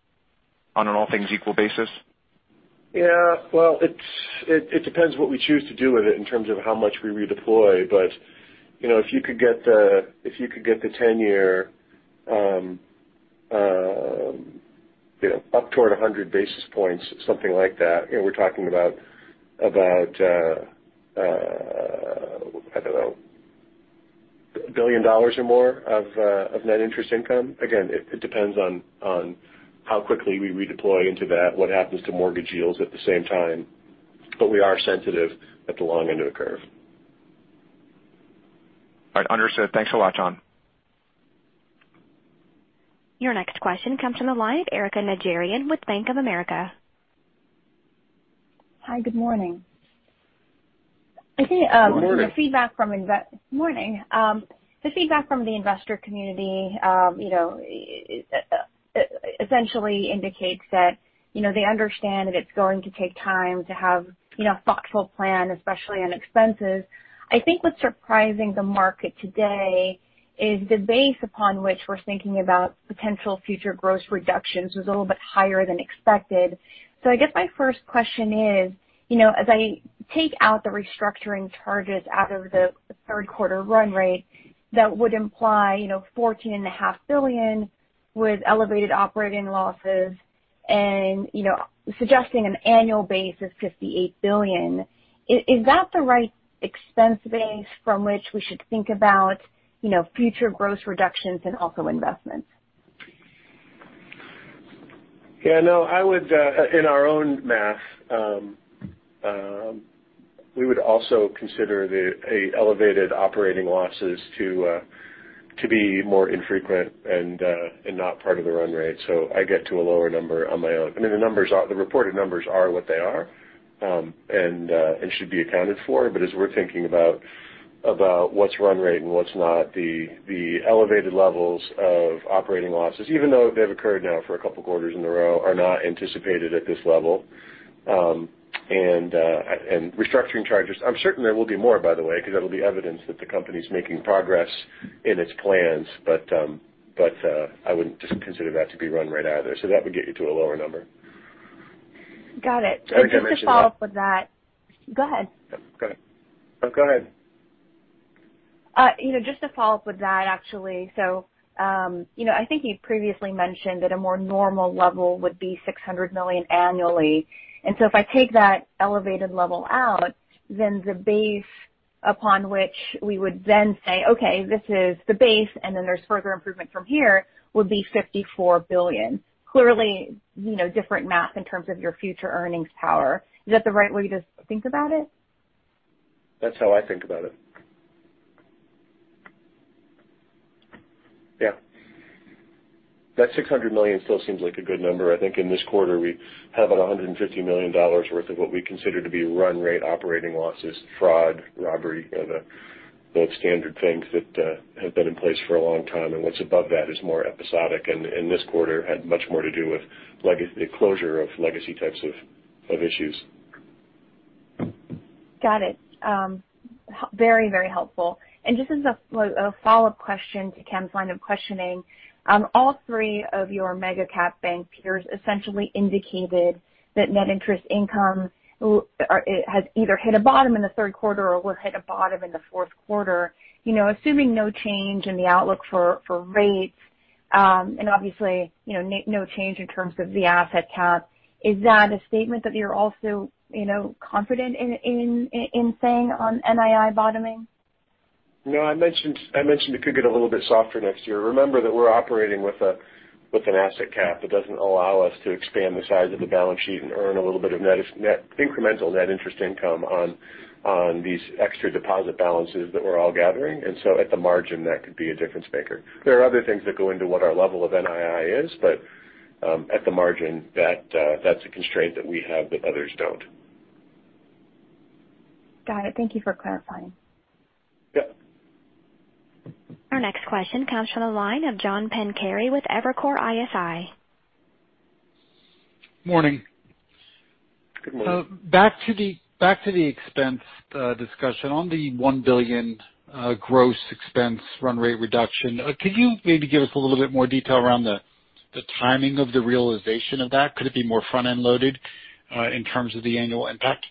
on an all things equal basis? Well, it depends what we choose to do with it in terms of how much we redeploy. If you could get the 10-year up toward 100 basis points, something like that, we're talking about, I don't know, $1 billion or more of net interest income. Again, it depends on how quickly we redeploy into that, what happens to mortgage yields at the same time, but we are sensitive at the long end of the curve. All right. Understood. Thanks a lot, John. Your next question comes from the line, Erika Najarian with Bank of America. Hi, good morning. Morning. Morning. The feedback from the investor community essentially indicates that they understand that it's going to take time to have a thoughtful plan, especially on expenses. I think what's surprising the market today is the base upon which we're thinking about potential future gross reductions was a little bit higher than expected. I guess my first question is, as I take out the restructuring charges out of the third quarter run rate, that would imply $14.5 billion with elevated operating losses and suggesting an annual base of $58 billion. Is that the right expense base from which we should think about future gross reductions and also investments? Yeah. No, in our own math, we would also consider the elevated operating losses to be more infrequent and not part of the run rate. I get to a lower number on my own. I mean, the reported numbers are what they are, and should be accounted for. As we're thinking about what's run rate and what's not, the elevated levels of operating losses, even though they've occurred now for a couple of quarters in a row, are not anticipated at this level. Restructuring charges, I'm certain there will be more, by the way, because that'll be evidence that the company's making progress in its plans. I wouldn't just consider that to be run rate either. That would get you to a lower number. Got it. I was going to mention that. Just to follow up with that. Go ahead. No, go ahead. Just to follow up with that, actually. I think you previously mentioned that a more normal level would be $600 million annually. If I take that elevated level out, then the base upon which we would then say, "Okay, this is the base, and then there's further improvement from here," would be $54 billion. Clearly, different math in terms of your future earnings power. Is that the right way to think about it? That's how I think about it. Yeah. That 600 million still seems like a good number. I think in this quarter, we have about $150 million worth of what we consider to be run rate operating losses, fraud, robbery, the standard things that have been in place for a long time. What's above that is more episodic, and this quarter had much more to do with the closure of legacy types of issues. Got it. Very helpful. Just as a follow-up question to Ken's line of questioning. All three of your mega cap bank peers essentially indicated that net interest income has either hit a bottom in the third quarter or will hit a bottom in the fourth quarter. Assuming no change in the outlook for rates, and obviously, no change in terms of the asset cap, is that a statement that you're also confident in saying on NII bottoming? No, I mentioned it could get a little bit softer next year. Remember that we're operating with an asset cap that doesn't allow us to expand the size of the balance sheet and earn a little bit of incremental net interest income on these extra deposit balances that we're all gathering. At the margin, that could be a difference maker. There are other things that go into what our level of NII is, but at the margin, that's a constraint that we have that others don't. Got it. Thank you for clarifying. Yeah. Our next question comes from the line of John Pancari with Evercore ISI. Morning. Good morning. Back to the expense discussion on the $1 billion gross expense run rate reduction. Could you maybe give us a little bit more detail around the timing of the realization of that? Could it be more front-end loaded in terms of the annual impact?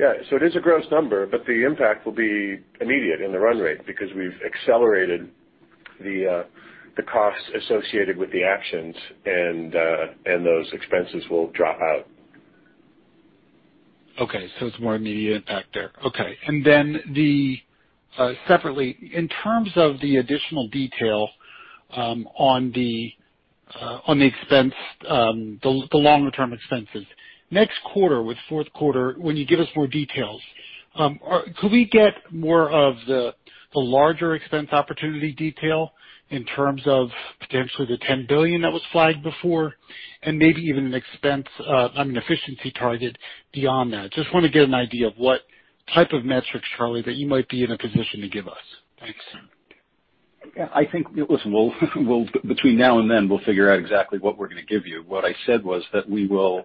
Yeah. It is a gross number, but the impact will be immediate in the run rate because we've accelerated the costs associated with the actions and those expenses will drop out. It's more immediate impact there. Okay. Separately, in terms of the additional detail on the longer term expenses. Next quarter, with fourth quarter, when you give us more details, could we get more of the larger expense opportunity detail in terms of potentially the $10 billion that was flagged before and maybe even an expense, I mean efficiency target beyond that? Just want to get an idea of what type of metrics, Charlie, that you might be in a position to give us. Thanks. Yeah. Listen, between now and then, we'll figure out exactly what we're going to give you. What I said was that we will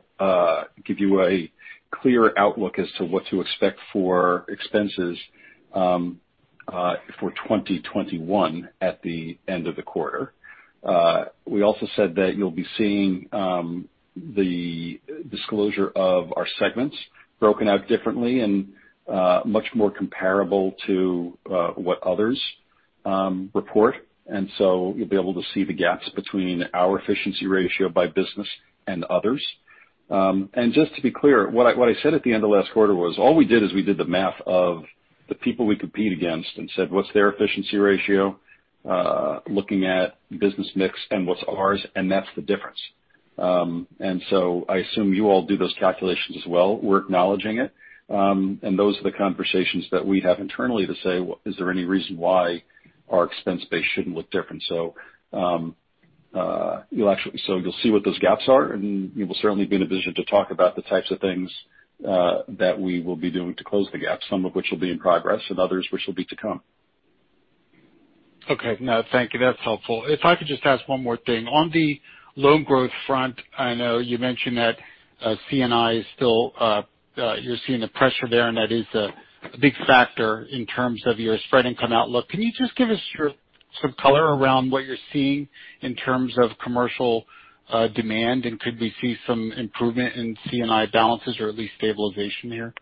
give you a clear outlook as to what to expect for expenses for 2021 at the end of the quarter. We also said that you'll be seeing the disclosure of our segments broken out differently and much more comparable to what others report. You'll be able to see the gaps between our efficiency ratio by business and others. Just to be clear, what I said at the end of last quarter was all we did is we did the math of the people we compete against and said, what's their efficiency ratio? Looking at business mix and what's ours, and that's the difference. I assume you all do those calculations as well. We're acknowledging it. Those are the conversations that we have internally to say, is there any reason why our expense base shouldn't look different? You'll see what those gaps are, and you will certainly be in a position to talk about the types of things that we will be doing to close the gap, some of which will be in progress and others which will be to come. Okay. No, thank you. That's helpful. If I could just ask one more thing. On the loan growth front, I know you mentioned that C&I is still-- you're seeing the pressure there, and that is a big factor in terms of your spread income outlook. Can you just give us some color around what you're seeing in terms of commercial demand, and could we see some improvement in C&I balances or at least stabilization here?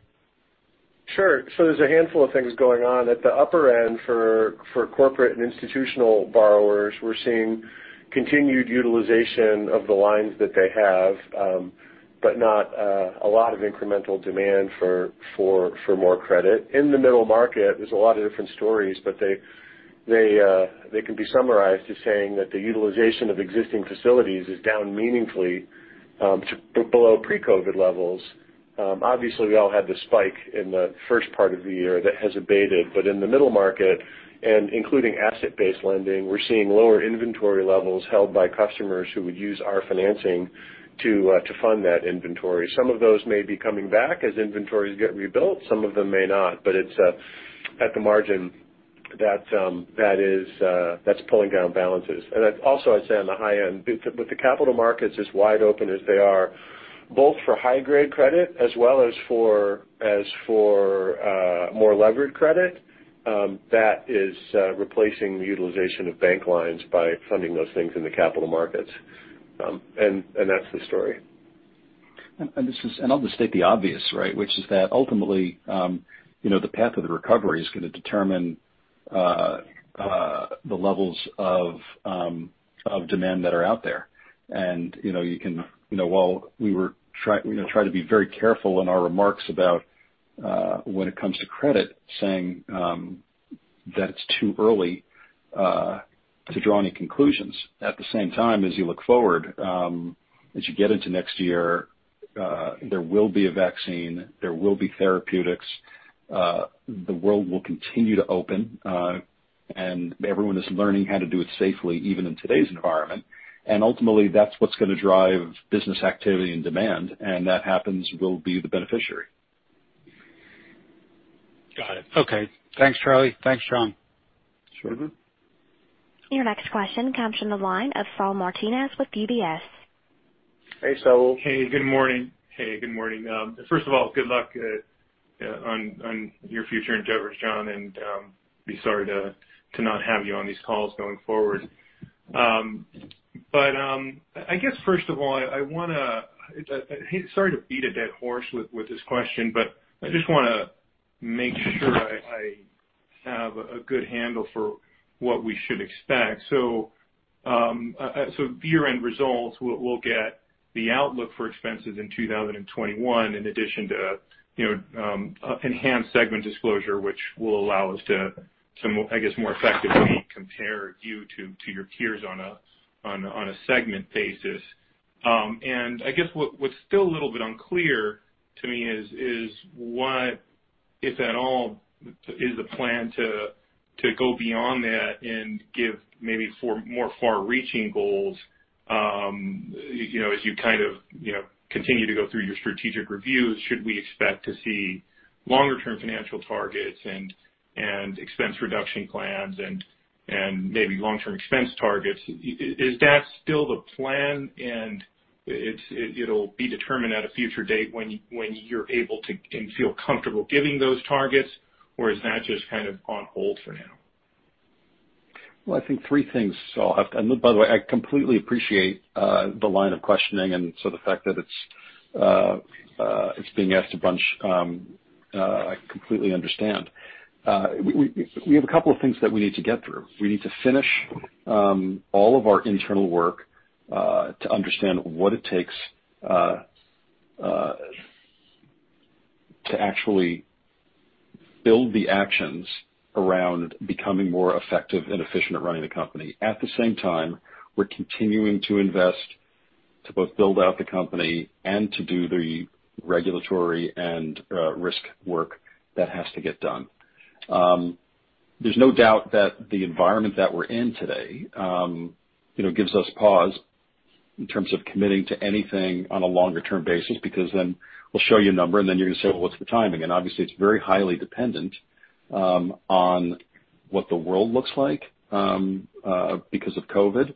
Sure. There's a handful of things going on. At the upper end for corporate and institutional borrowers, we're seeing continued utilization of the lines that they have but not a lot of incremental demand for more credit. In the middle market, there's a lot of different stories, but they can be summarized as saying that the utilization of existing facilities is down meaningfully to below pre-COVID-19 levels. Obviously, we all had the spike in the first part of the year that has abated. In the middle market and including asset-based lending, we're seeing lower inventory levels held by customers who would use our financing to fund that inventory. Some of those may be coming back as inventories get rebuilt. Some of them may not. At the margin, that's pulling down balances. Also, I'd say on the high end, with the capital markets as wide open as they are, both for high grade credit as well as for more levered credit, that is replacing the utilization of bank lines by funding those things in the capital markets. That's the story. I'll just state the obvious, right? Which is that ultimately the path of the recovery is going to determine the levels of demand that are out there. While we try to be very careful in our remarks about when it comes to credit saying that it's too early to draw any conclusions. At the same time, as you look forward, as you get into next year, there will be a vaccine, there will be therapeutics. The world will continue to open. Everyone is learning how to do it safely, even in today's environment. Ultimately, that's what's going to drive business activity and demand, and that happens we'll be the beneficiary. Got it. Okay. Thanks, Charlie. Thanks, John. Sure. Your next question comes from the line of Saul Martinez with UBS. Hey, Saul. Hey, good morning. First of all, good luck on your future endeavors, John, and be sorry to not have you on these calls going forward. I guess first of all, sorry to beat a dead horse with this question, but I just want to make sure I have a good handle for what we should expect. Year-end results, we'll get the outlook for expenses in 2021, in addition to enhanced segment disclosure, which will allow us to, I guess, more effectively compare you to your peers on a segment basis. I guess what's still a little bit unclear to me is what, if at all, is the plan to go beyond that and give maybe more far-reaching goals, as you continue to go through your strategic reviews. Should we expect to see longer-term financial targets and expense reduction plans and maybe long-term expense targets? Is that still the plan and it'll be determined at a future date when you're able to and feel comfortable giving those targets? Or is that just kind of on hold for now? Well, I think three things, Saul. By the way, I completely appreciate the line of questioning and so the fact that it's being asked a bunch, I completely understand. We have a couple of things that we need to get through. We need to finish all of our internal work to understand what it takes to actually build the actions around becoming more effective and efficient at running the company. At the same time, we're continuing to invest to both build out the company and to do the regulatory and risk work that has to get done. There's no doubt that the environment that we're in today gives us pause in terms of committing to anything on a longer-term basis, because then we'll show you a number and then you're going to say, "Well, what's the timing?" Obviously it's very highly dependent on what the world looks like because of COVID,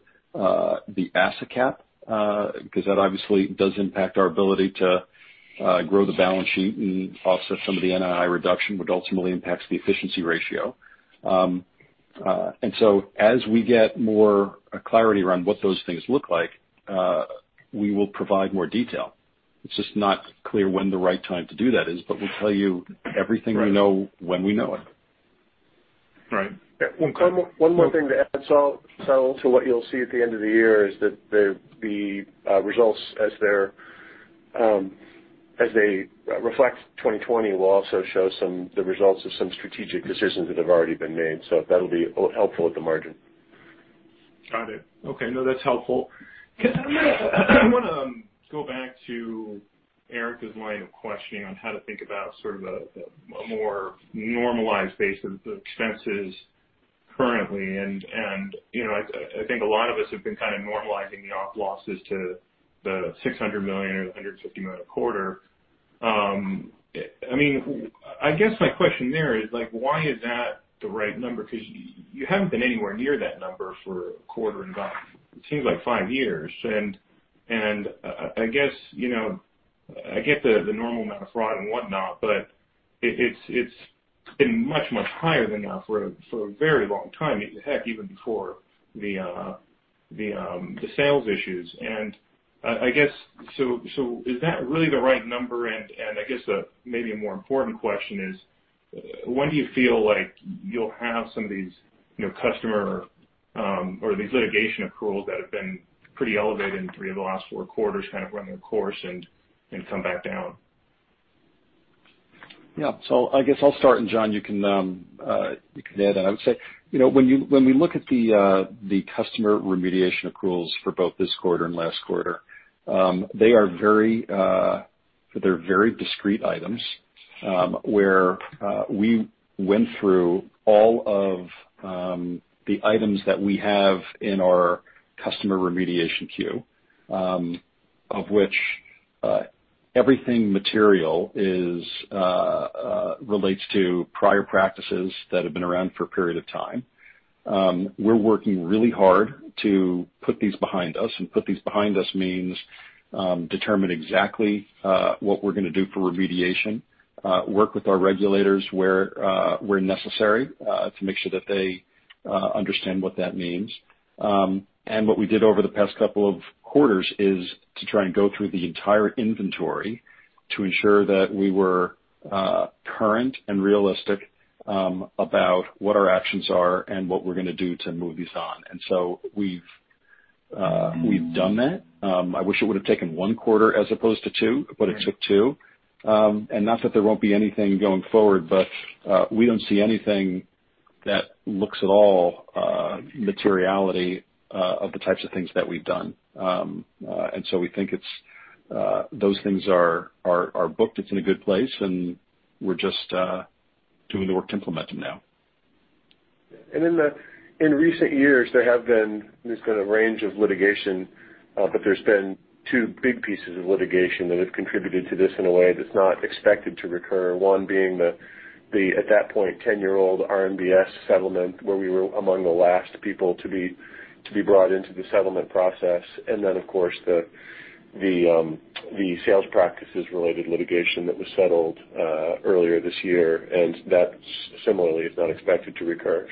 the asset cap because that obviously does impact our ability to grow the balance sheet and offset some of the NII reduction, which ultimately impacts the efficiency ratio. As we get more clarity around what those things look like, we will provide more detail. It's just not clear when the right time to do that is. We'll tell you everything we know when we know it. Right. One more thing to add, Saul, to what you'll see at the end of the year is that the results as they reflect 2020 will also show the results of some strategic decisions that have already been made. That'll be helpful at the margin. Got it. Okay. No, that's helpful. I want to go back to Erika's line of questioning on how to think about sort of a more normalized base of expenses currently. I think a lot of us have been kind of normalizing the op losses to the $600 million or the $150 million a quarter. I guess my question there is why is that the right number? You haven't been anywhere near that number for a quarter in, it seems like five years. I guess the normal amount of fraud and whatnot, but it's been much, much higher than that for a very long time. Heck, even before the sales issues. Is that really the right number? I guess maybe a more important question is when do you feel like you'll have some of these customer or these litigation accruals that have been pretty elevated in three of the last four quarters kind of run their course and come back down? Yeah. I guess I'll start, and John, you can add. I would say when we look at the customer remediation accruals for both this quarter and last quarter, they're very discrete items, where we went through all of the items that we have in our customer remediation queue, of which everything material relates to prior practices that have been around for a period of time. We're working really hard to put these behind us, and put these behind us means determine exactly what we're going to do for remediation, work with our regulators where necessary to make sure that they understand what that means. What we did over the past couple of quarters is to try and go through the entire inventory to ensure that we were current and realistic about what our actions are and what we're going to do to move these on. We've done that. I wish it would've taken one quarter as opposed to two, but it took two. Not that there won't be anything going forward, but we don't see anything that looks at all materiality of the types of things that we've done. We think those things are booked. It's in a good place, and we're just doing the work to implement them now. In recent years, there's been a range of litigation, but there's been two big pieces of litigation that have contributed to this in a way that's not expected to recur. One being the, at that point, 10-year-old RMBS settlement where we were among the last people to be brought into the settlement process. Then, of course, the sales practices related litigation that was settled earlier this year, and that similarly is not expected to recur.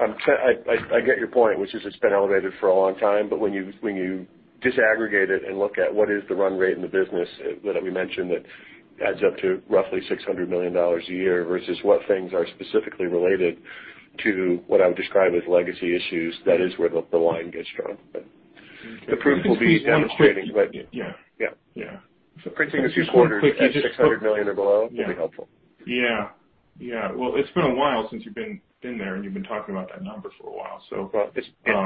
I get your point, which is it's been elevated for a long time. When you disaggregate it and look at what is the run rate in the business that we mentioned, that adds up to roughly $600 million a year versus what things are specifically related to what I would describe as legacy issues, that is where the line gets drawn. The proof will be one. Yeah. Yeah. Yeah. Printing a few quarters at $600 million or below would be helpful. Yeah. Well, it's been a while since you've been there, and you've been talking about that number for a while.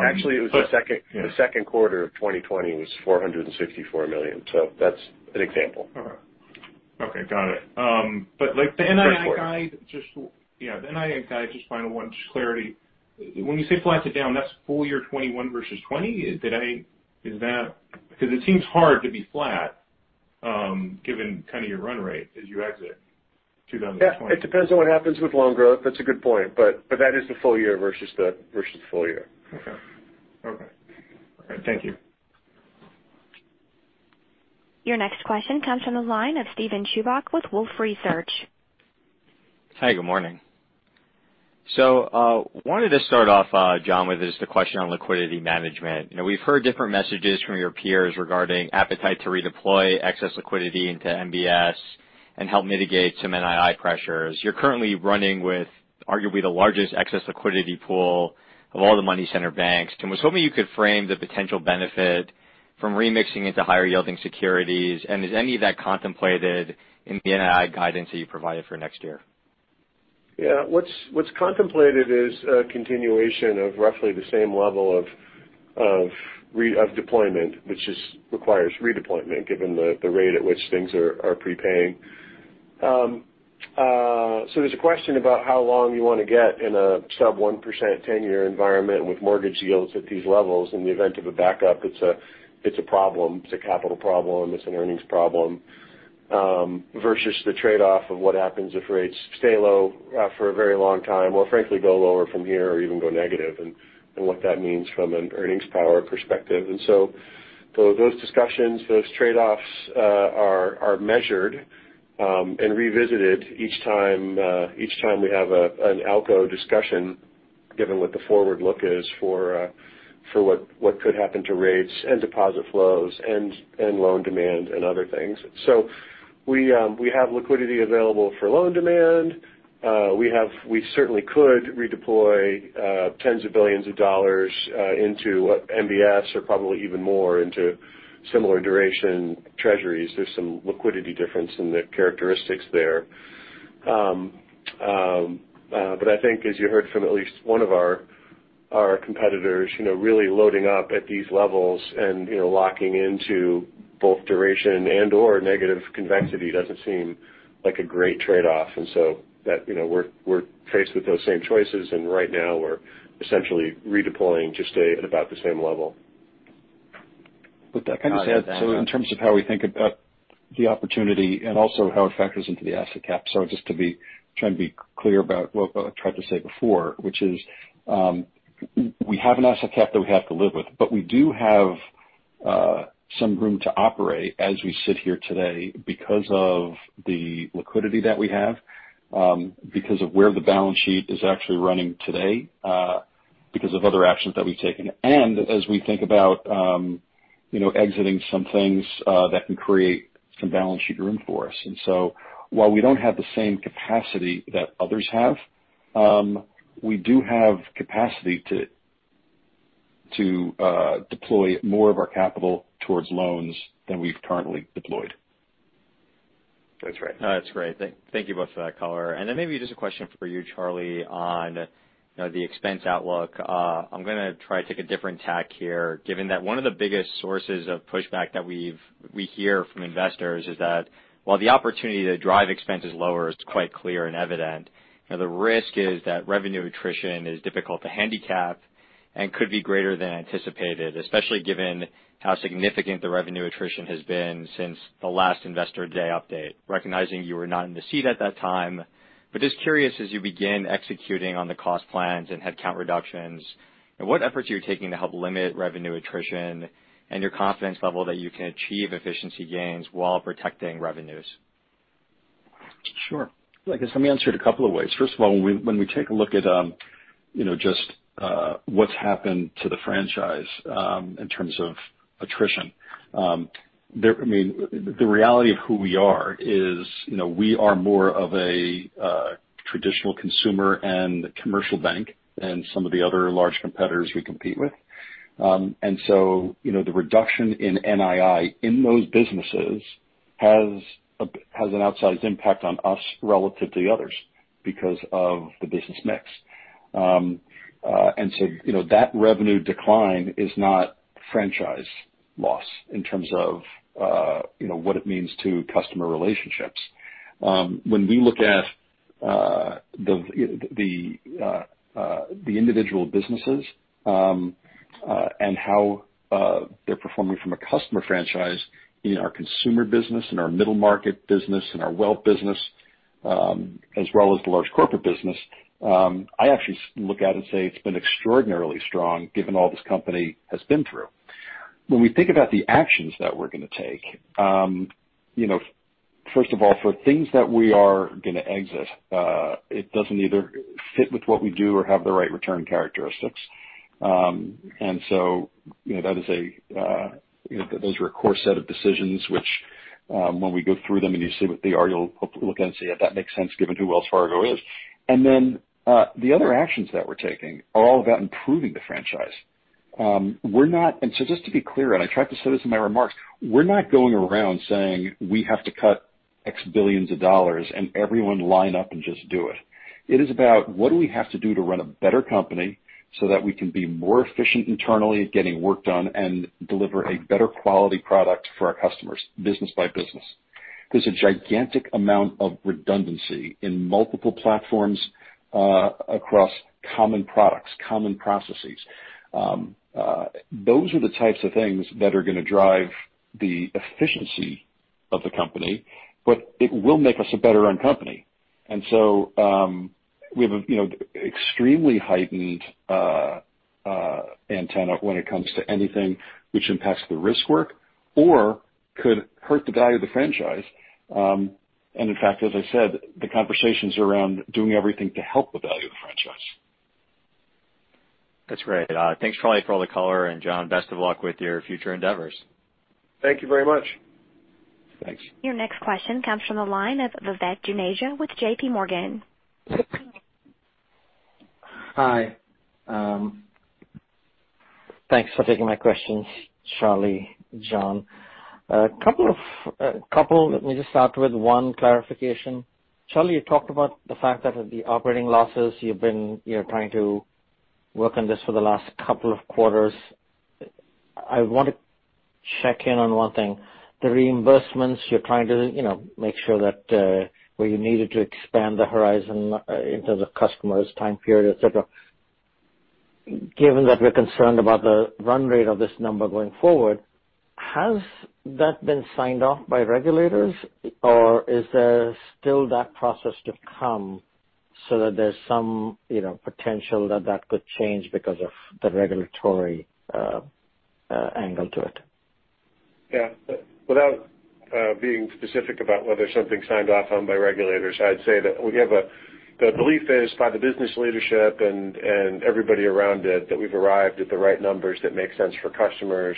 Actually, it was the second quarter of 2020 was $464 million. That's an example. All right. Okay. Got it. The NII guide, just final one, just clarity. When you say flat to down, that's full year 2021 versus 2020? It seems hard to be flat given your run rate as you exit 2020. Yeah. It depends on what happens with loan growth. That's a good point, but that is the full year versus the full year. Okay. Thank you. Your next question comes from the line of Steven Chubak with Wolfe Research. Hi, good morning. Wanted to start off, John, with just a question on liquidity management. We've heard different messages from your peers regarding appetite to redeploy excess liquidity into MBS and help mitigate some NII pressures. You're currently running with arguably the largest excess liquidity pool of all the money center banks. I was hoping you could frame the potential benefit from remixing into higher yielding securities, and is any of that contemplated in the NII guidance that you provided for next year? Yeah. What's contemplated is a continuation of roughly the same level of deployment, which just requires redeployment given the rate at which things are prepaying. There's a question about how long you want to get in a sub 1% 10-year environment with mortgage yields at these levels. In the event of a backup, it's a problem. It's a capital problem. It's an earnings problem. Versus the trade-off of what happens if rates stay low for a very long time, or frankly go lower from here or even go negative, and what that means from an earnings power perspective. Those discussions, those trade-offs are measured and revisited each time we have an ALCO discussion given what the forward look is for what could happen to rates and deposit flows and loan demand and other things. We have liquidity available for loan demand. We certainly could redeploy tens of billions of dollars into MBS or probably even more into similar duration Treasuries. There's some liquidity difference in the characteristics there. I think as you heard from at least one of our competitors really loading up at these levels and locking into both duration and/or negative convexity doesn't seem like a great trade-off. We're faced with those same choices, and right now we're essentially redeploying just at about the same level. With that kind of said, in terms of how we think about the opportunity and also how it factors into the asset cap. Just trying to be clear about what I tried to say before, which is we have an asset cap that we have to live with. We do have some room to operate as we sit here today because of the liquidity that we have because of where the balance sheet is actually running today because of other actions that we've taken. As we think about exiting some things that can create some balance sheet room for us. While we don't have the same capacity that others have, we do have capacity to deploy more of our capital towards loans than we've currently deployed. That's right. That's great. Thank you both for that color. Maybe just a question for you, Charlie, on the expense outlook. I'm going to try to take a different tack here, given that one of the biggest sources of pushback that we hear from investors is that while the opportunity to drive expenses lower is quite clear and evident, the risk is that revenue attrition is difficult to handicap and could be greater than anticipated, especially given how significant the revenue attrition has been since the last Investor Day update. Recognizing you were not in the seat at that time, but just curious as you begin executing on the cost plans and headcount reductions, what efforts are you taking to help limit revenue attrition and your confidence level that you can achieve efficiency gains while protecting revenues? Sure. I guess let me answer it a couple of ways. First of all, when we take a look at just what's happened to the franchise in terms of attrition, the reality of who we are is we are more of a traditional consumer and commercial bank than some of the other large competitors we compete with. The reduction in NII in those businesses has an outsized impact on us relative to the others because of the business mix. That revenue decline is not franchise loss in terms of what it means to customer relationships. When we look at the individual businesses, and how they're performing from a customer franchise in our consumer business and our middle market business and our wealth business, as well as the large corporate business, I actually look at it and say it's been extraordinarily strong given all this company has been through. When we think about the actions that we're going to take, first of all, for things that we are going to exit, it doesn't either fit with what we do or have the right return characteristics. Those are a core set of decisions which when we go through them and you see what they are, you'll look at and say, "That makes sense given who Wells Fargo is." The other actions that we're taking are all about improving the franchise. Just to be clear, and I tried to say this in my remarks, we're not going around saying we have to cut x billions of dollars and everyone line up and just do it. It is about what do we have to do to run a better company so that we can be more efficient internally at getting work done and deliver a better quality product for our customers, business by business. There's a gigantic amount of redundancy in multiple platforms, across common products, common processes. Those are the types of things that are going to drive the efficiency of the company, but it will make us a better run company. We have extremely heightened antenna when it comes to anything which impacts the risk work or could hurt the value of the franchise. In fact, as I said, the conversations around doing everything to help the value of the franchise. That's great. Thanks, Charlie, for all the color, and John, best of luck with your future endeavors. Thank you very much. Thanks. Your next question comes from the line of Vivek Juneja with JPMorgan. Hi. Thanks for taking my questions, Charlie, John. Let me just start with one clarification. Charlie, you talked about the fact that the operating losses you've been trying to work on this for the last couple of quarters. I want to check in on one thing. The reimbursements you're trying to make sure that where you needed to expand the horizon in terms of customers, time period, et cetera. Given that we're concerned about the run rate of this number going forward, has that been signed off by regulators or is there still that process to come so that there's some potential that that could change because of the regulatory angle to it? Yeah. Without being specific about whether something's signed off on by regulators, I'd say that the belief is by the business leadership and everybody around it, that we've arrived at the right numbers that make sense for customers,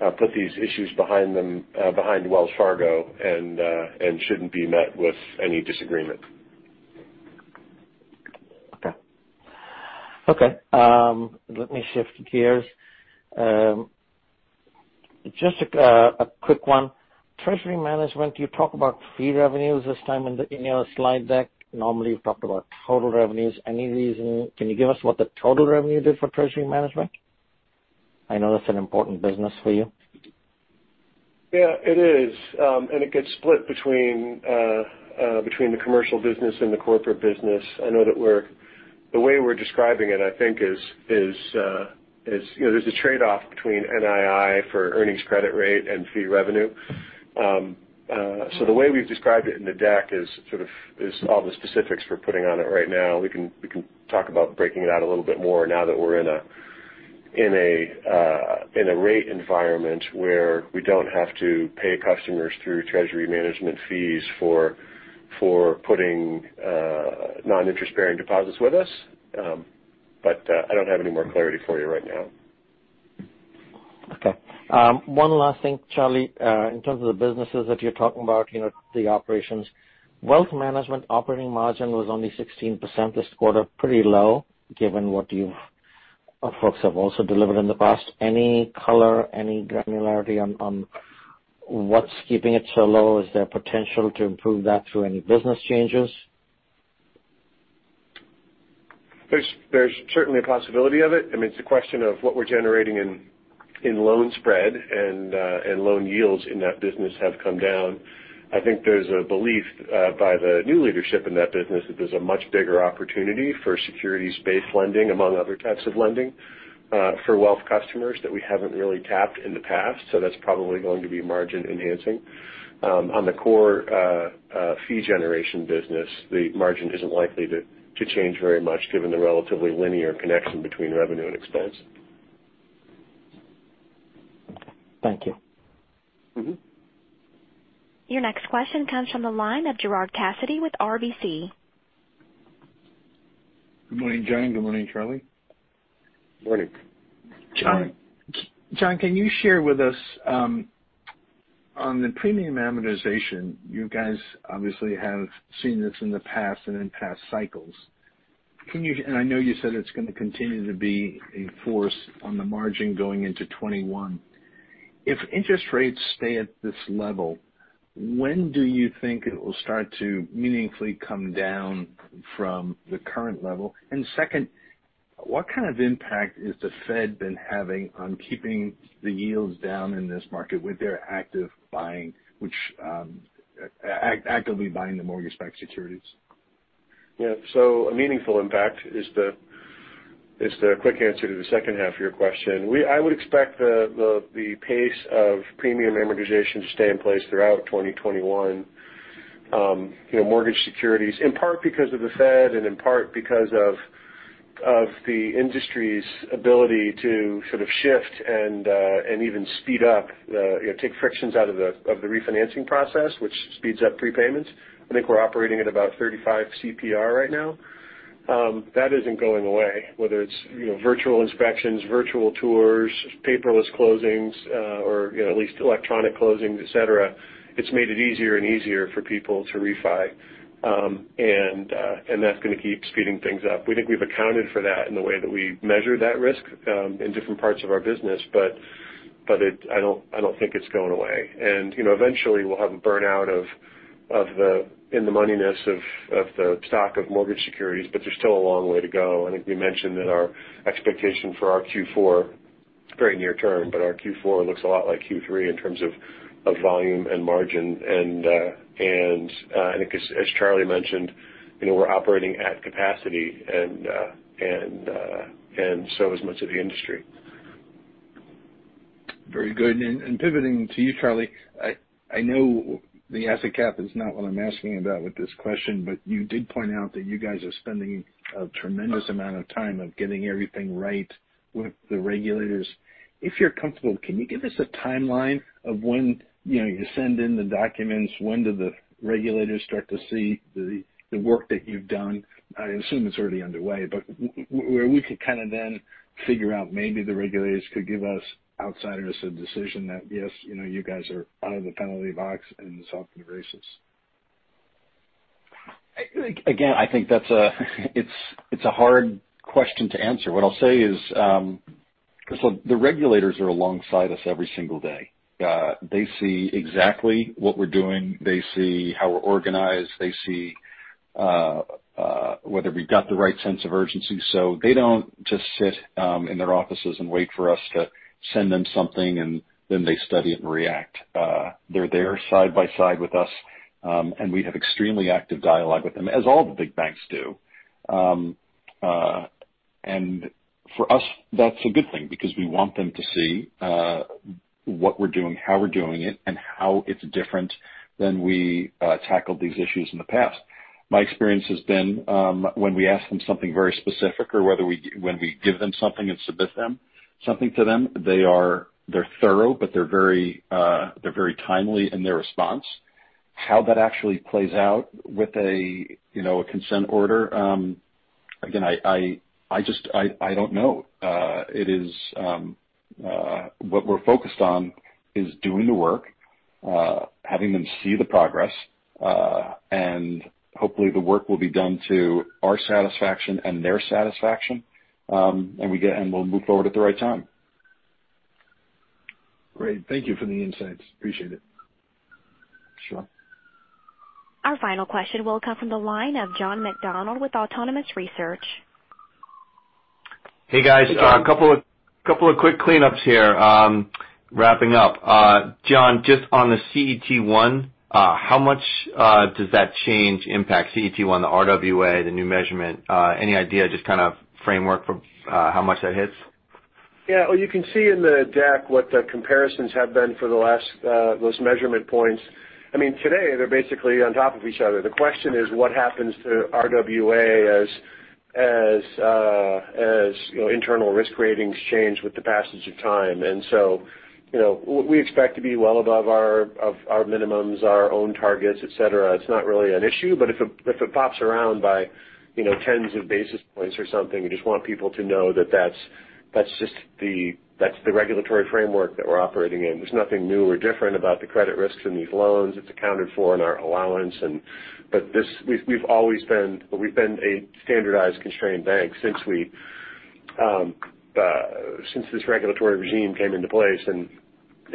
put these issues behind Wells Fargo, and shouldn't be met with any disagreement. Okay. Let me shift gears. Just a quick one. Treasury management, you talk about fee revenues this time in your slide deck. Normally, you've talked about total revenues. Any reason? Can you give us what the total revenue did for treasury management? I know that's an important business for you. Yeah, it is. It gets split between the commercial business and the corporate business. I know that the way we're describing it, I think, there's a trade-off between NII for earnings credit rate and fee revenue. The way we've described it in the deck is all the specifics we're putting on it right now. We can talk about breaking it out a little bit more now that we're in a rate environment where we don't have to pay customers through treasury management fees for putting non-interest-bearing deposits with us. I don't have any more clarity for you right now. Okay. One last thing, Charlie. In terms of the businesses that you're talking about, the operations. Wealth management operating margin was only 16% this quarter. Pretty low given what you folks have also delivered in the past. Any color, any granularity on what's keeping it so low? Is there potential to improve that through any business changes? There's certainly a possibility of it. I mean, it's a question of what we're generating in loan spread and loan yields in that business have come down. I think there's a belief by the new leadership in that business that there's a much bigger opportunity for securities-based lending, among other types of lending for wealth customers that we haven't really tapped in the past. That's probably going to be margin enhancing. On the core fee generation business, the margin isn't likely to change very much given the relatively linear connection between revenue and expense. Thank you. Your next question comes from the line of Gerard Cassidy with RBC. Good morning, John. Good morning, Charlie. Morning. John, can you share with us on the premium amortization, you guys obviously have seen this in the past and in past cycles. I know you said it's going to continue to be a force on the margin going into 2021. If interest rates stay at this level, when do you think it will start to meaningfully come down from the current level? Second, what kind of impact has the Fed been having on keeping the yields down in this market with their actively buying the mortgage-backed securities? Yeah. A meaningful impact is the quick answer to the second half of your question. I would expect the pace of premium amortization to stay in place throughout 2021. Mortgage securities, in part because of the Fed and in part because of the industry's ability to sort of shift and even speed up, take frictions out of the refinancing process, which speeds up prepayments. I think we're operating at about 35 CPR right now. That isn't going away, whether it's virtual inspections, virtual tours, paperless closings, or at least electronic closings, et cetera. It's made it easier and easier for people to refi. That's going to keep speeding things up. We think we've accounted for that in the way that we measure that risk in different parts of our business. I don't think it's going away. Eventually we'll have a burnout of the in-the-moneyness of the stock of mortgage securities, but there's still a long way to go. I think we mentioned that our expectation for our Q4, it's very near term, but our Q4 looks a lot like Q3 in terms of volume and margin. I think as Charlie mentioned, we're operating at capacity and so is much of the industry. Pivoting to you, Charlie, I know the asset cap is not what I'm asking about with this question, but you did point out that you guys are spending a tremendous amount of time of getting everything right with the regulators. If you're comfortable, can you give us a timeline of when you send in the documents? When do the regulators start to see the work that you've done? I assume it's already underway. Where we could kind of then figure out maybe the regulators could give us outsiders a decision that, yes, you guys are out of the penalty box and it's off to the races. Again, I think that's a hard question to answer. What I'll say is the regulators are alongside us every single day. They see exactly what we're doing. They see how we're organized. They see whether we've got the right sense of urgency. They don't just sit in their offices and wait for us to send them something, and then they study it and react. They're there side by side with us, and we have extremely active dialogue with them, as all the big banks do. For us, that's a good thing because we want them to see what we're doing, how we're doing it, and how it's different than we tackled these issues in the past. My experience has been when we ask them something very specific or when we give them something and submit something to them, they're thorough, but they're very timely in their response. How that actually plays out with a consent order, again, I don't know. What we're focused on is doing the work, having them see the progress, and hopefully the work will be done to our satisfaction and their satisfaction. We'll move forward at the right time. Great. Thank you for the insights. Appreciate it. Sure. Our final question will come from the line of John McDonald with Autonomous Research. Hey, guys. A couple of quick cleanups here. Wrapping up. John, just on the CET1, how much does that change impact CET1, the RWA, the new measurement? Any idea, just kind of framework for how much that hits? Yeah. Well, you can see in the deck what the comparisons have been for those measurement points. I mean, today, they're basically on top of each other. The question is what happens to RWA as internal risk ratings change with the passage of time. We expect to be well above our minimums, our own targets, et cetera. It's not really an issue, but if it pops around by tens of basis points or something, we just want people to know that that's the regulatory framework that we're operating in. There's nothing new or different about the credit risks in these loans. It's accounted for in our allowance. We've been a standardized, constrained bank since this regulatory regime came into place, and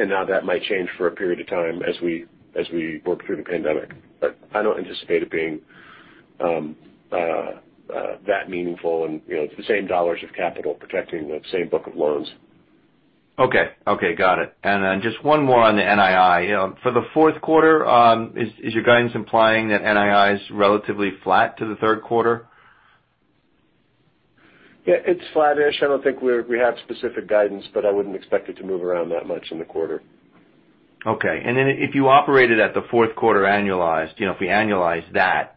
now that might change for a period of time as we work through the pandemic. I don't anticipate it being that meaningful and it's the same dollars of capital protecting the same book of loans. Okay. Got it. Just one more on the NII. For the fourth quarter, is your guidance implying that NII is relatively flat to the third quarter? Yeah, it's flat-ish. I don't think we have specific guidance, but I wouldn't expect it to move around that much in the quarter. Okay. If you operated at the fourth quarter annualized, if we annualize that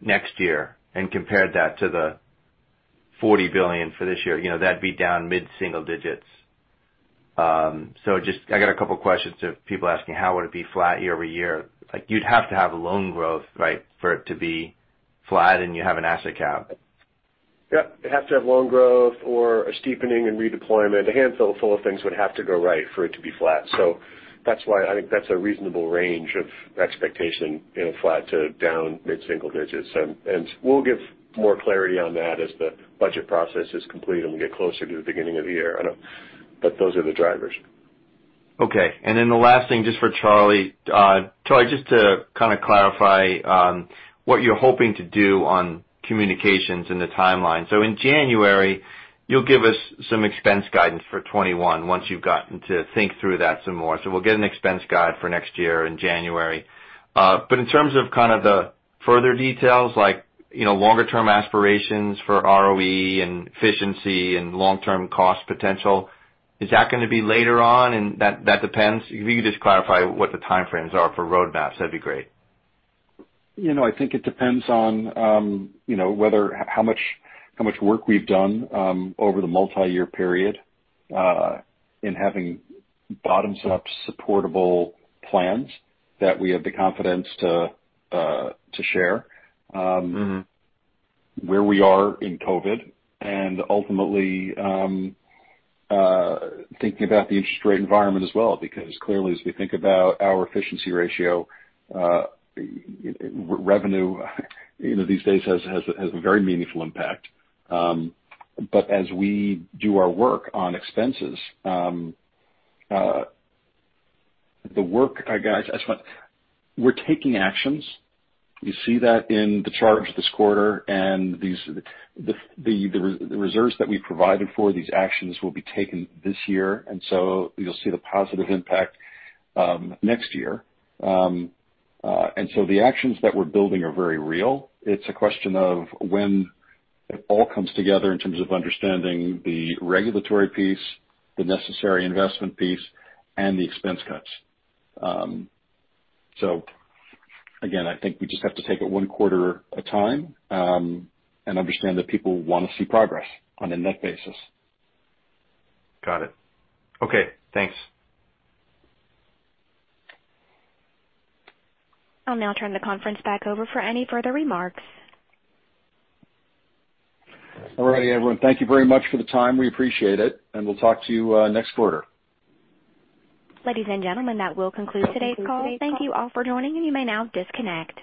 next year and compared that to the $40 billion for this year, that'd be down mid-single digits. Just I got a couple questions to people asking how would it be flat year-over-year? You'd have to have loan growth, right, for it to be flat and you have an asset cap. Yep. You'd have to have loan growth or a steepening in redeployment. A handful of things would have to go right for it to be flat. That's why I think that's a reasonable range of expectation in flat to down mid-single digits. We'll give more clarity on that as the budget process is complete and we get closer to the beginning of the year. Those are the drivers. Okay. The last thing, just for Charlie. Charlie, just to kind of clarify what you're hoping to do on communications and the timeline. In January, you'll give us some expense guidance for 2021 once you've gotten to think through that some more. We'll get an expense guide for next year in January. In terms of kind of the further details, like longer term aspirations for ROE and efficiency and long term cost potential, is that going to be later on? That depends? If you could just clarify what the time frames are for roadmaps, that'd be great. I think it depends on how much work we've done over the multi-year period in having bottom-up supportable plans that we have the confidence to share where we are in COVID, and ultimately thinking about the interest rate environment as well. Because clearly, as we think about our efficiency ratio, revenue these days has a very meaningful impact. As we do our work on expenses, we're taking actions. You see that in the charts this quarter and the reserves that we provided for these actions will be taken this year. You'll see the positive impact next year. The actions that we're building are very real. It's a question of when it all comes together in terms of understanding the regulatory piece, the necessary investment piece, and the expense cuts. Again, I think we just have to take it one quarter at a time and understand that people want to see progress on a net basis. Got it. Okay, thanks. I'll now turn the conference back over for any further remarks. All right, everyone. Thank you very much for the time. We appreciate it. We'll talk to you next quarter. Ladies and gentlemen, that will conclude today's call. Thank you all for joining, and you may now disconnect.